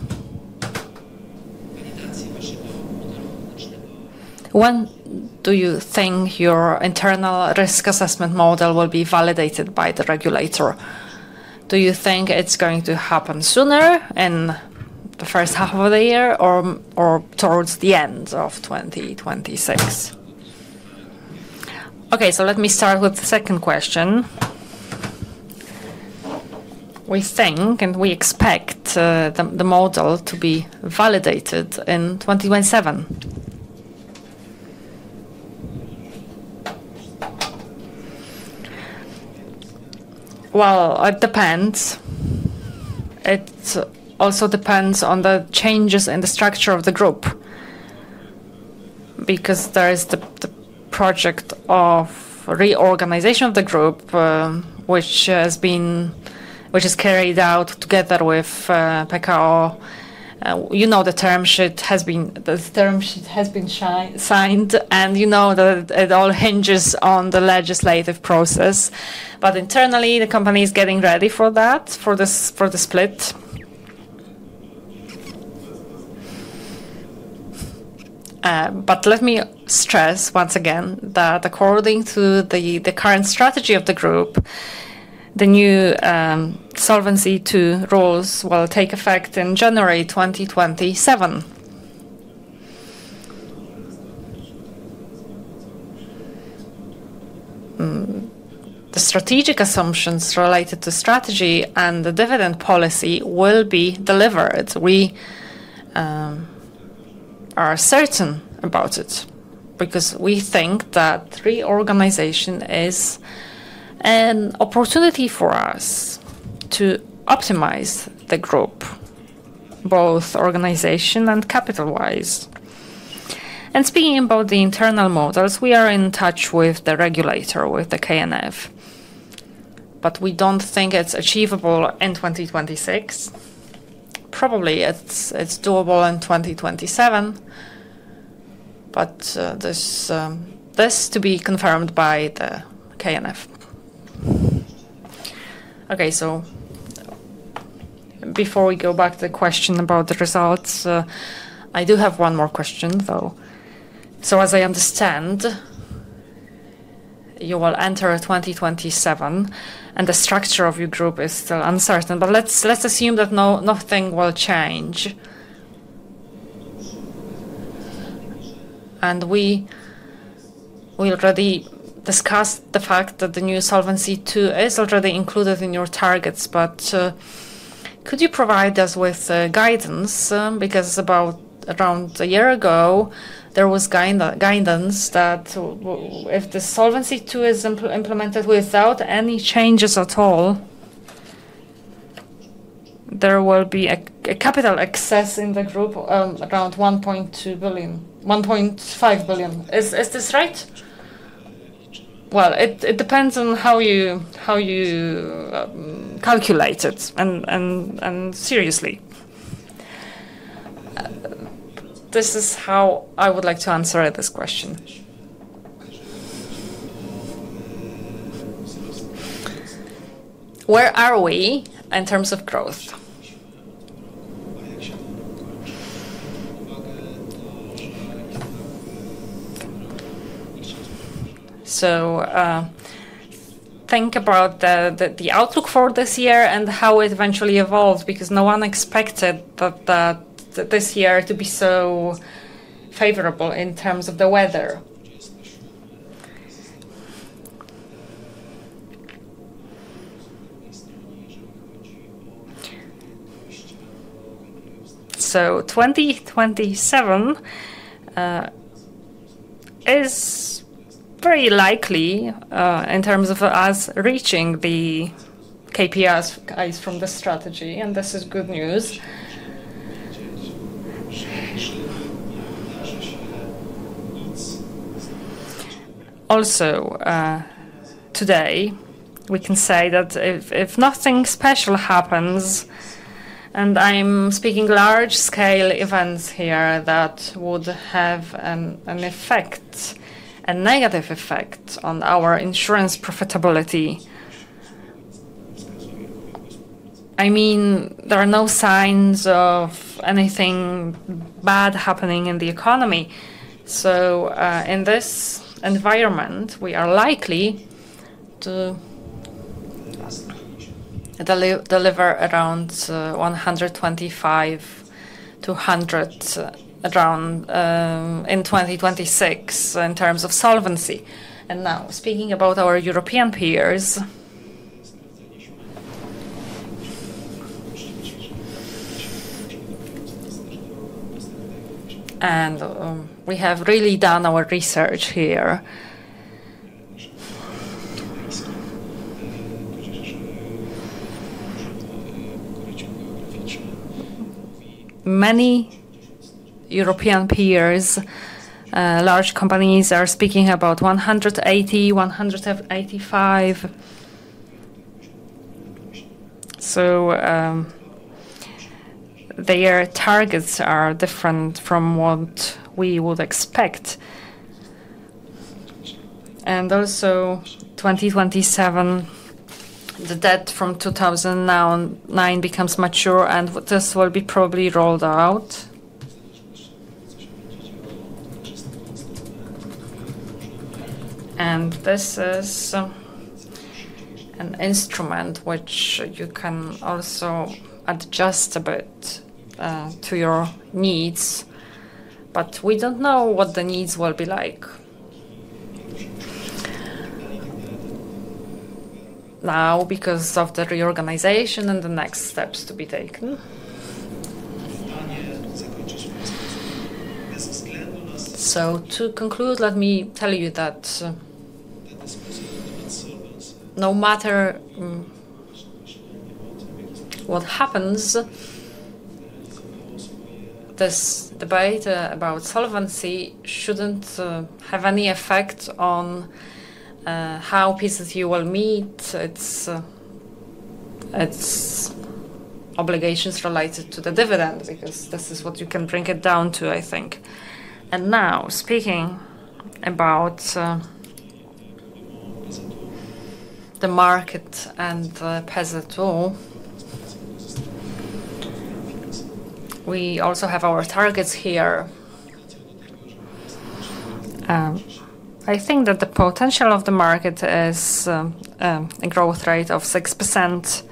When do you think your internal risk assessment model will be validated by the regulator? Do you think it's going to happen sooner in the first half of the year or towards the end of 2026? Let me start with the second question. We think, and we expect the model to be validated in 2027. It depends. It also depends on the changes in the structure of the group, because there is the project of reorganization of the group, which is carried out together with PKO. You know, the term sheet has been signed, and you know that it all hinges on the legislative process. Internally, the company is getting ready for that, for the split. Let me stress once again that according to the current strategy of the group, the new Solvency II rules will take effect in January 2027. The strategic assumptions related to strategy and the dividend policy will be delivered. We are certain about it, because we think that reorganization is an opportunity for us to optimize the group, both organization and capital-wise. Speaking about the internal models, we are in touch with the regulator, with the KNF, but we don't think it's achievable in 2026. Probably it's doable in 2027, but this is to be confirmed by the KNF. Okay, before we go back to the question about the results, I do have one more question, though. As I understand, you will enter 2027, and the structure of your group is still uncertain. Let's assume that nothing will change. We already discussed the fact that the new Solvency II is already included in your targets, but could you provide us with guidance? Because about around a year ago, there was guidance that if the Solvency II is implemented without any changes at all, there will be a capital excess in the group around 1.5 billion. Is this right? It depends on how you calculate it, and seriously. This is how I would like to answer this question. Where are we in terms of growth? Think about the outlook for this year and how it eventually evolves, because no one expected that this year to be so favorable in terms of the weather. 2027 is very likely in terms of us reaching the KPIs from the strategy, and this is good news. Today, we can say that if nothing special happens, and I'm speaking large-scale events here that would have an effect, a negative effect on our insurance profitability. I mean, there are no signs of anything bad happening in the economy, in this environment, we are likely to deliver around 125%-100% in 2026 in terms of solvency. Now, speaking about our European peers, we have really done our research here. Many European peers, large companies are speaking about 180%, 185%. Their targets are different from what we would expect. Also, 2027, the debt from 2009 becomes mature, and this will be probably rolled out. This is an instrument which you can also adjust a bit to your needs, but we don't know what the needs will be like now, because of the reorganization and the next steps to be taken. To conclude, let me tell you that, no matter what happens, this debate about solvency shouldn't have any effect on how PZU will meet. Its obligations related to the dividends, because this is what you can bring it down to, I think. Now, speaking about the market and PZU, we also have our targets here. I think that the potential of the market is a growth rate of 6%,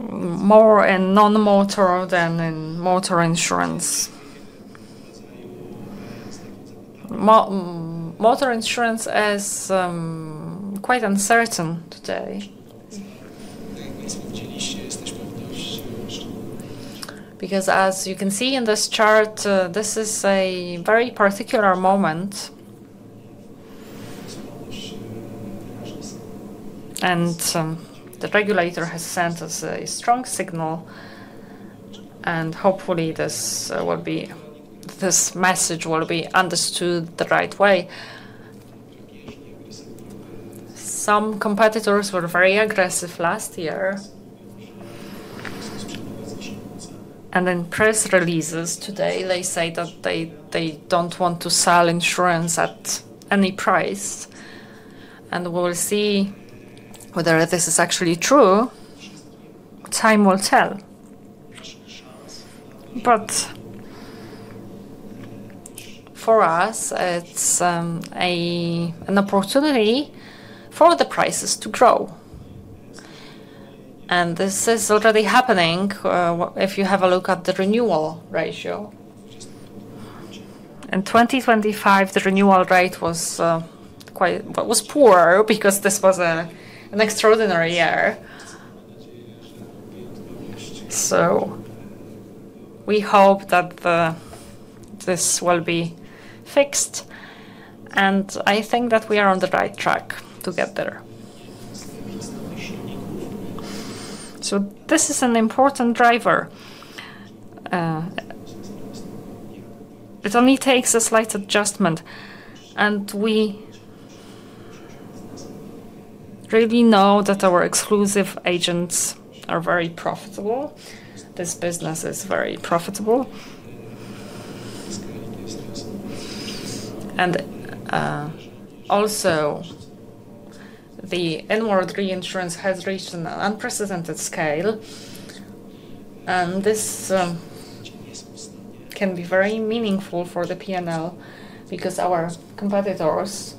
more in non-motor than in motor insurance. Motor insurance is quite uncertain today. As you can see in this chart, this is a very particular moment, the regulator has sent us a strong signal, and hopefully this message will be understood the right way. Some competitors were very aggressive last year. In press releases today, they say that they don't want to sell insurance at any price, and we will see whether this is actually true. Time will tell. For us, it's an opportunity for the prices to grow. This is already happening, if you have a look at the renewal ratio. In 2025, the renewal rate was poor because this was an extraordinary year. We hope that this will be fixed, and I think that we are on the right track to get better. This is an important driver. It only takes a slight adjustment, and we really know that our exclusive agents are very profitable. This business is very profitable. Also, the inward reinsurance has reached an unprecedented scale, and this can be very meaningful for the P&L because our competitors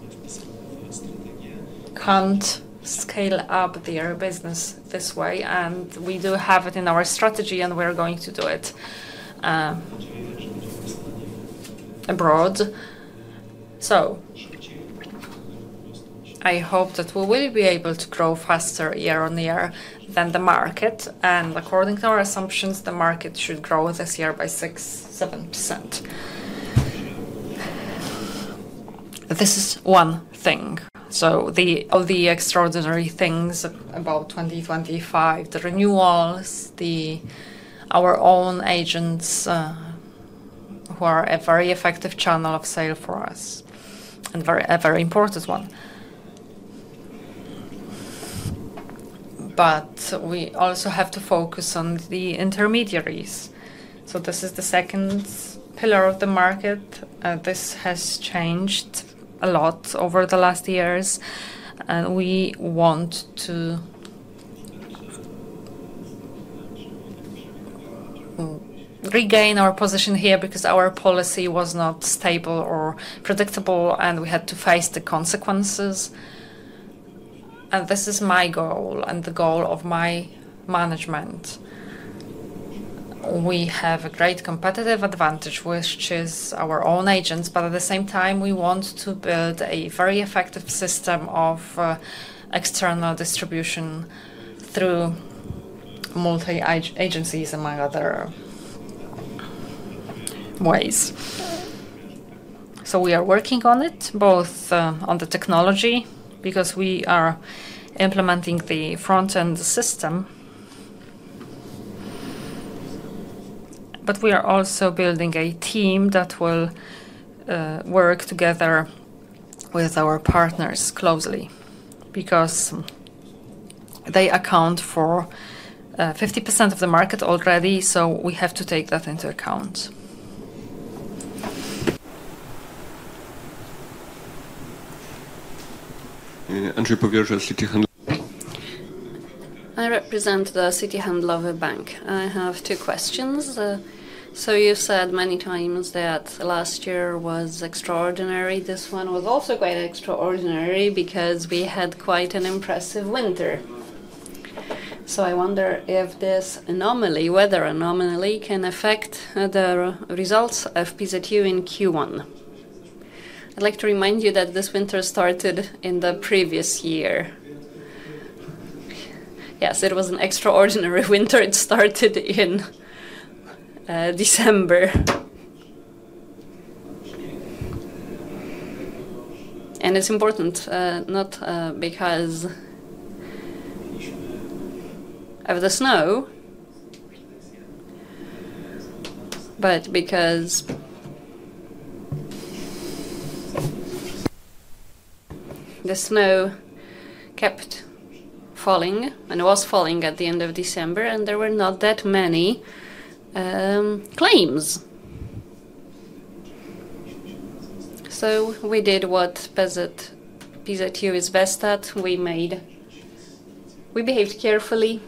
can't scale up their business this way, and we do have it in our strategy and we're going to do it abroad. I hope that we will be able to grow faster year-over-year than the market, and according to our assumptions, the market should grow this year by 6%-7%. This is one thing. Of the extraordinary things about 2025, the renewals, our own agents, who are a very effective channel of sale for us and a very important one. We also have to focus on the intermediaries. This is the second pillar of the market. This has changed a lot over the last years, and we want to regain our position here because our policy was not stable or predictable, and we had to face the consequences. This is my goal and the goal of my management. We have a great competitive advantage, which is our own agents, but at the same time, we want to build a very effective system of external distribution through multi-agencies, among other. ... ways. We are working on it, both on the technology, because we are implementing the front-end system, but we are also building a team that will work together with our partners closely, because they account for 50% of the market already, so we have to take that into account. Andrzej Powierża, I represent the Citi Handlowy. I have two questions. You've said many times that last year was extraordinary. This one was also quite extraordinary because we had quite an impressive winter. I wonder if this anomaly, weather anomaly, can affect the results of PZU in Q1. I'd like to remind you that this winter started in the previous year. Yes, it was an extraordinary winter. It started in December. It's important, not because of the snow, but because the snow kept falling, and it was falling at the end of December, and there were not that many claims. We did what PZU is best at. We behaved carefully,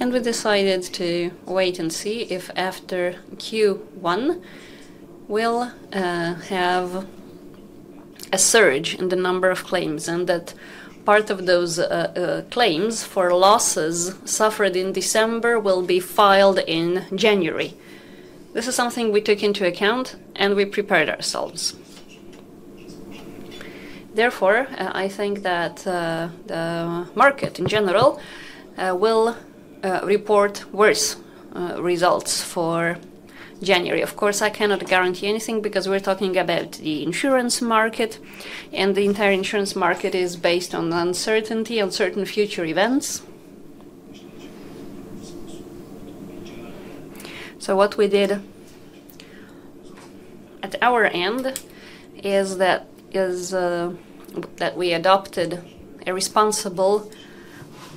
and we decided to wait and see if after Q1, we'll have a surge in the number of claims, and that part of those claims for losses suffered in December will be filed in January. This is something we took into account, and we prepared ourselves. I think that the market, in general, will report worse results for January. Of course, I cannot guarantee anything because we're talking about the insurance market, and the entire insurance market is based on uncertainty, on certain future events. What we did at our end is that, is that we adopted a responsible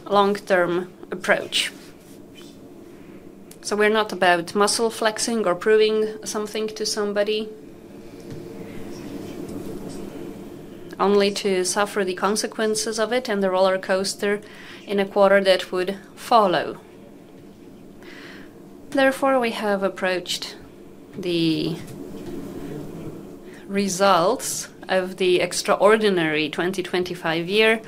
long-term approach. We're not about muscle flexing or proving something to somebody, only to suffer the consequences of it and the rollercoaster in a quarter that would follow. We have approached the results of the extraordinary 2025 year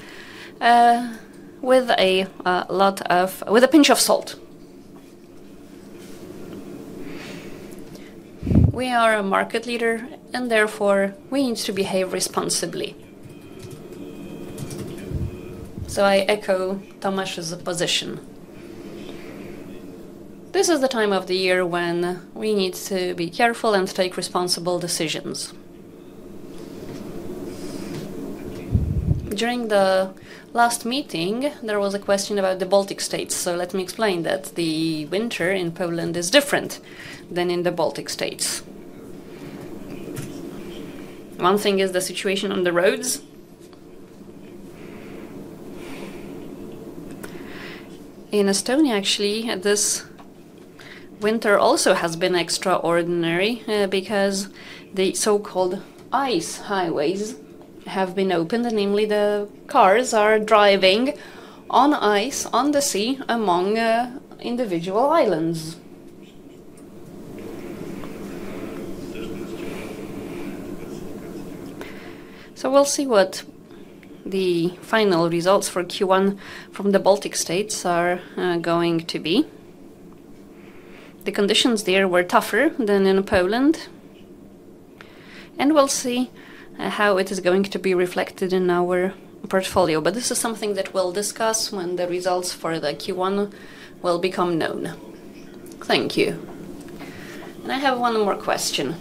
with a pinch of salt. We are a market leader, and therefore, we need to behave responsibly. I echo Tomasz's position. This is the time of the year when we need to be careful and take responsible decisions. During the last meeting, there was a question about the Baltic States. Let me explain that the winter in Poland is different than in the Baltic States. One thing is the situation on the roads. In Estonia, actually, this winter also has been extraordinary, because the so-called ice highways have been opened, namely, the cars are driving on ice on the sea among individual islands. We'll see what the final results for Q1 from the Baltic States are going to be. The conditions there were tougher than in Poland, we'll see how it is going to be reflected in our portfolio. This is something that we'll discuss when the results for the Q1 will become known. Thank you. I have one more question.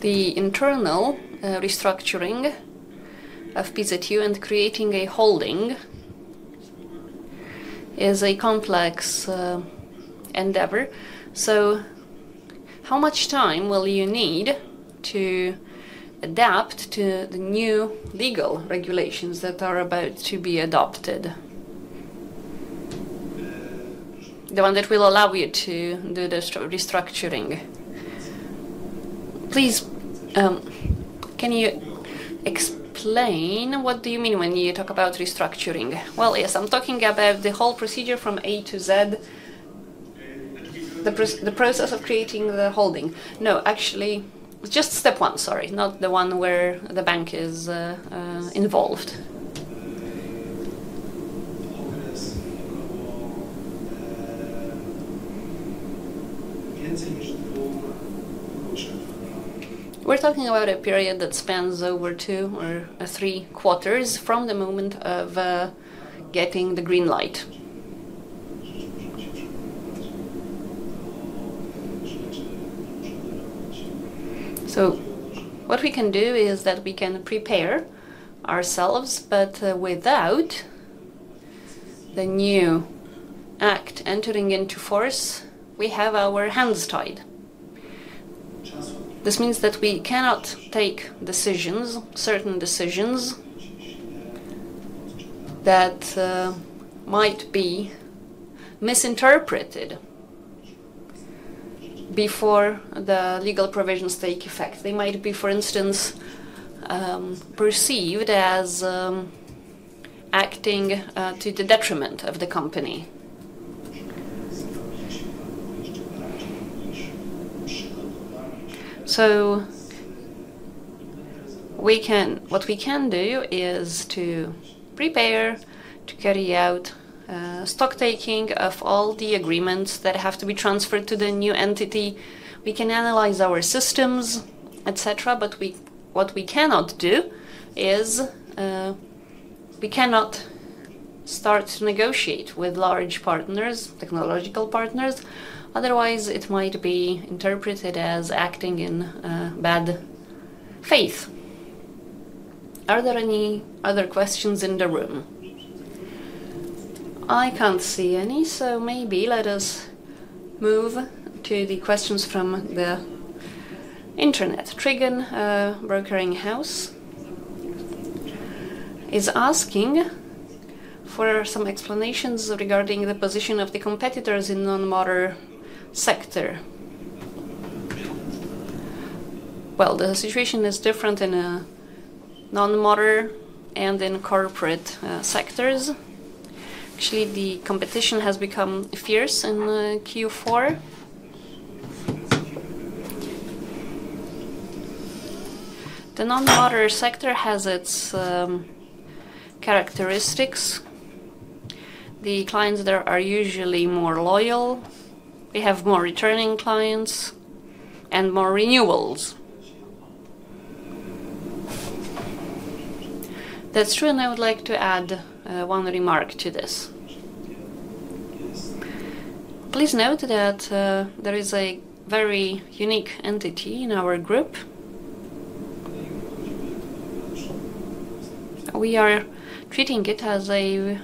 The internal restructuring of PZU and creating a holding is a complex endeavor, how much time will you need to adapt to the new legal regulations that are about to be adopted? The one that will allow you to do the restructuring. Please, can you explain, what do you mean when you talk about restructuring? Yes, I'm talking about the whole procedure from A to Z, the process of creating the holding. Actually, just step one, sorry, not the one where the bank is involved We're talking about a period that spans over 2 or 3 quarters from the moment of getting the green light. What we can do is that we can prepare ourselves, but without the new act entering into force, we have our hands tied. This means that we cannot take decisions, certain decisions, that might be misinterpreted before the legal provisions take effect. They might be, for instance, perceived as acting to the detriment of the company. What we can do is to prepare, to carry out stocktaking of all the agreements that have to be transferred to the new entity. We can analyze our systems, et cetera. What we cannot do is we cannot start to negotiate with large partners, technological partners, otherwise it might be interpreted as acting in bad faith. Are there any other questions in the room? I can't see any, so maybe let us move to the questions from the internet. Trigon Brokerage House is asking for some explanations regarding the position of the competitors in non-motor sector. Well, the situation is different in a non-motor and in corporate sectors. Actually, the competition has become fierce in Q4. The non-motor sector has its characteristics. The clients there are usually more loyal. We have more returning clients and more renewals. That's true, and I would like to add one remark to this. Please note that there is a very unique entity in our group. We are treating it as a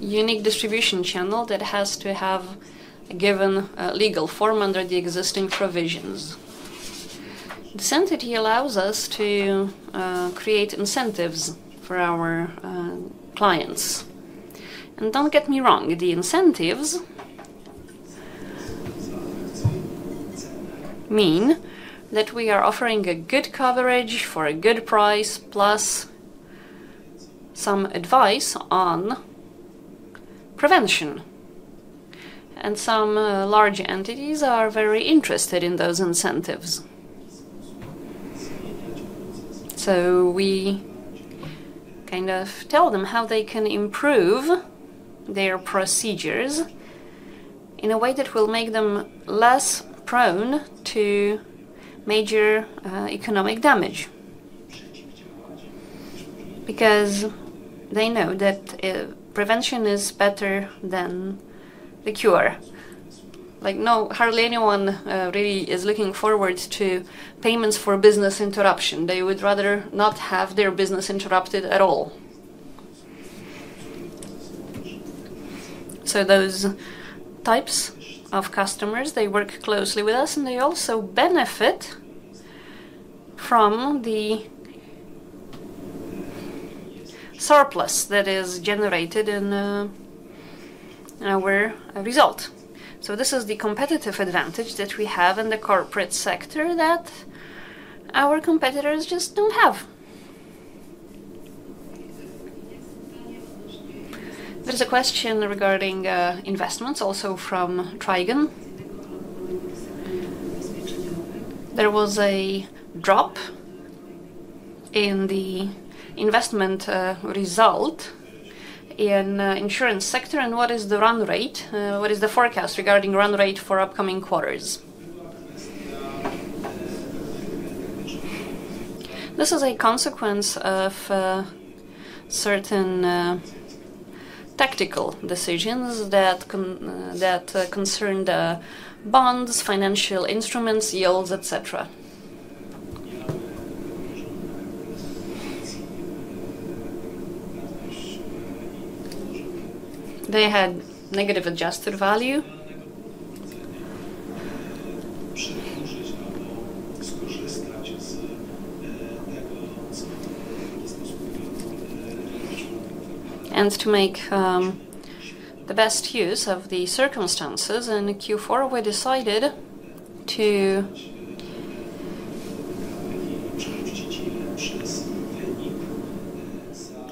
unique distribution channel that has to have a given legal form under the existing provisions. This entity allows us to create incentives for our clients. Don't get me wrong, the incentives mean that we are offering a good coverage for a good price, plus some advice on prevention, and some large entities are very interested in those incentives. We kind of tell them how they can improve their procedures in a way that will make them less prone to major economic damage, because they know that prevention is better than the cure. Like, no, hardly anyone really is looking forward to payments for business interruption. They would rather not have their business interrupted at all. Those types of customers, they work closely with us, and they also benefit from the surplus that is generated in our result. This is the competitive advantage that we have in the corporate sector that our competitors just don't have. There's a question regarding investments also from Trigon. There was a drop in the investment result in insurance sector. What is the run rate? What is the forecast regarding run rate for upcoming quarters? This is a consequence of certain tactical decisions that concern the bonds, financial instruments, yields, et cetera. They had negative adjusted value. To make the best use of the circumstances in Q4, we decided to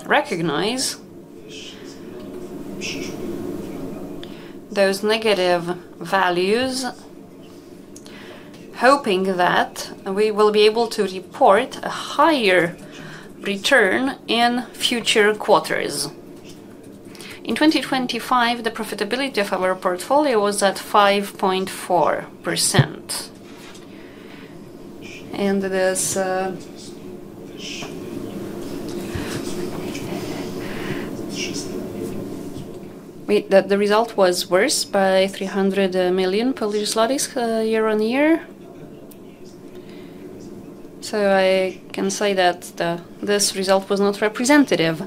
recognize those negative values.... hoping that we will be able to report a higher return in future quarters. In 2025, the profitability of our portfolio was at 5.4%. The result was worse by 300 million Polish zlotys year-over-year. I can say that this result was not representative,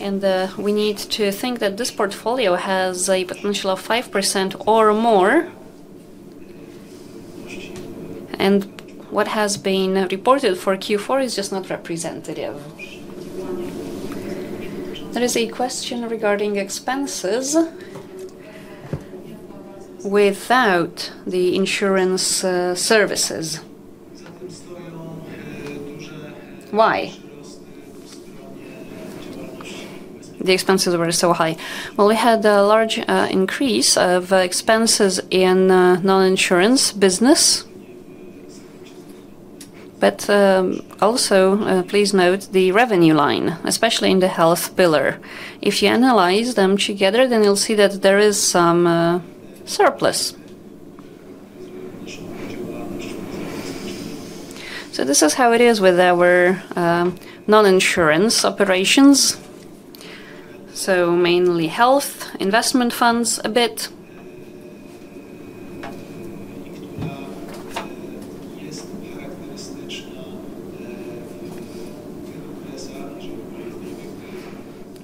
and we need to think that this portfolio has a potential of 5% or more. What has been reported for Q4 is just not representative. There is a question regarding expenses without the insurance services. Why the expenses were so high? We had a large increase of expenses in non-insurance business. Also, please note the revenue line, especially in the health pillar. If you analyze them together, you'll see that there is some surplus. This is how it is with our non-insurance operations, mainly health, investment funds a bit.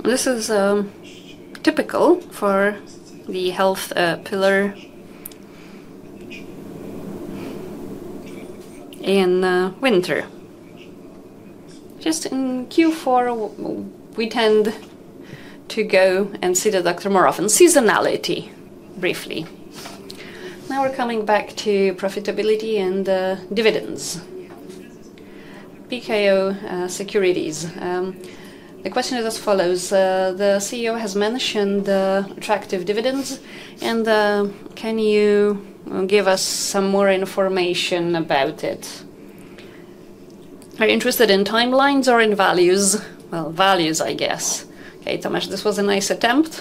This is typical for the health pillar in winter. Just in Q4, we tend to go and see the doctor more often. Seasonality, briefly. Now we're coming back to profitability and dividends. PKO Securities. The question is as follows: the CEO has mentioned the attractive dividends, and can you give us some more information about it? Are you interested in timelines or in values? Well, values, I guess. Okay, Tomasz, this was a nice attempt.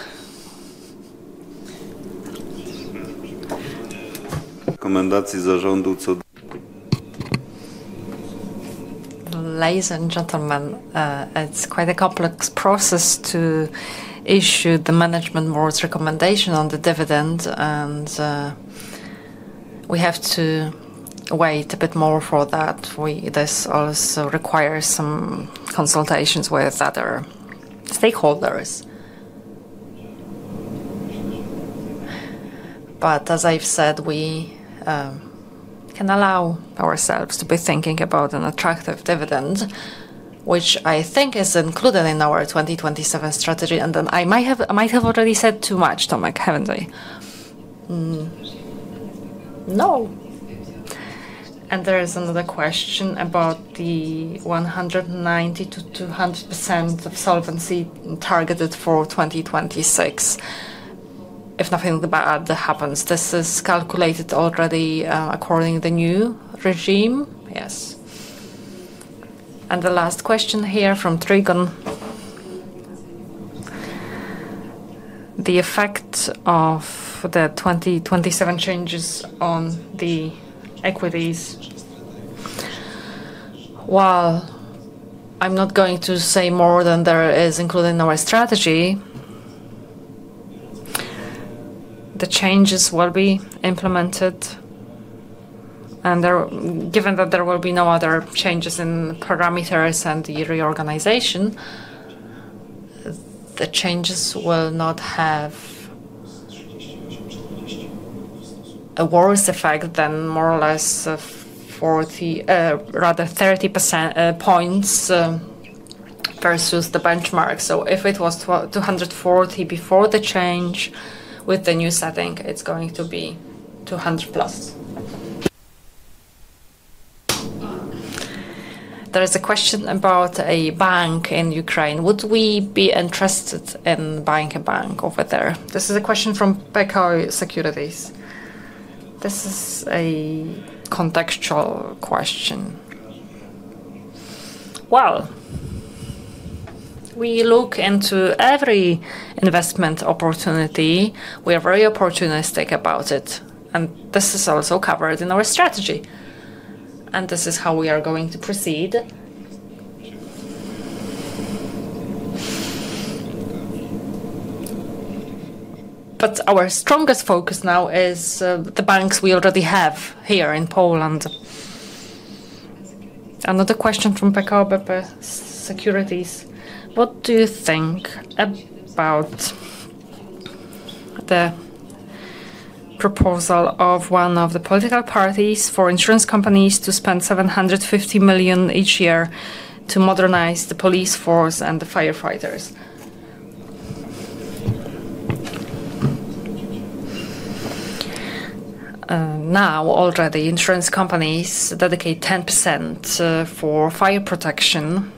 Ladies and gentlemen, it's quite a complex process to issue the management board's recommendation on the dividend, and we have to wait a bit more for that. This also requires some consultations with other stakeholders. As I've said, we can allow ourselves to be thinking about an attractive dividend, which I think is included in our 2027 strategy, and then I might have already said too much, Tomek, haven't I? No. There is another question about the 190%-200% of solvency targeted for 2026, if nothing bad happens. This is calculated already, according to the new regime? Yes. The last question here from Trigon. The effect of the 2027 changes on the equities. I'm not going to say more than there is included in our strategy, the changes will be implemented, and there. Given that there will be no other changes in parameters and the reorganization, the changes will not have a worse effect than more or less 40, rather 30% points versus the benchmark. If it was 240 before the change, with the new setting, it's going to be 200 plus. There is a question about a bank in Ukraine. Would we be interested in buying a bank over there? This is a question from PKO Securities. This is a contextual question. Well, we look into every investment opportunity. We are very opportunistic about it. This is also covered in our strategy, and this is how we are going to proceed. Our strongest focus now is the banks we already have here in Poland. Another question from PKO Securities: What do you think about the proposal of one of the political parties for insurance companies to spend 750 million each year to modernize the police force and the firefighters? Now, already, insurance companies dedicate 10% for fire protection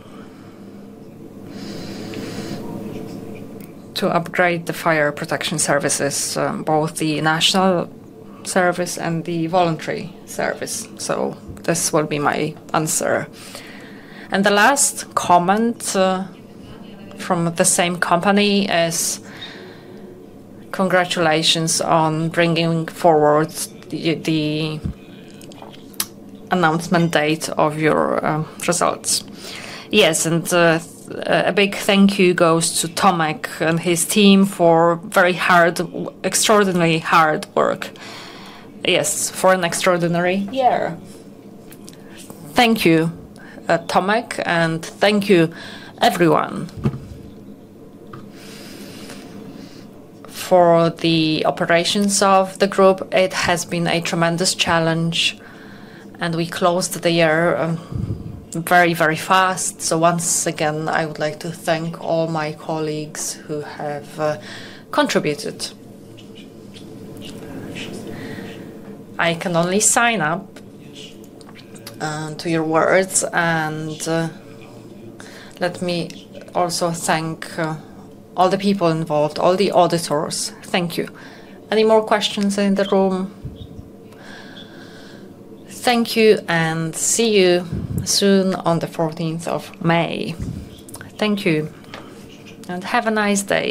to upgrade the fire protection services, both the national service and the voluntary service. This would be my answer. The last comment from the same company is, congratulations on bringing forward the announcement date of your results. Yes, a big thank you goes to Tomek and his team for very hard extraordinarily hard work. Yes, for an extraordinary year. Thank you, Tomek, and thank you, everyone, for the operations of the group. It has been a tremendous challenge, and we closed the year very, very fast. Once again, I would like to thank all my colleagues who have contributed. I can only sign up to your words, let me also thank all the people involved, all the auditors. Thank you. Any more questions in the room? Thank you, see you soon on the 14th of May. Thank you, have a nice day.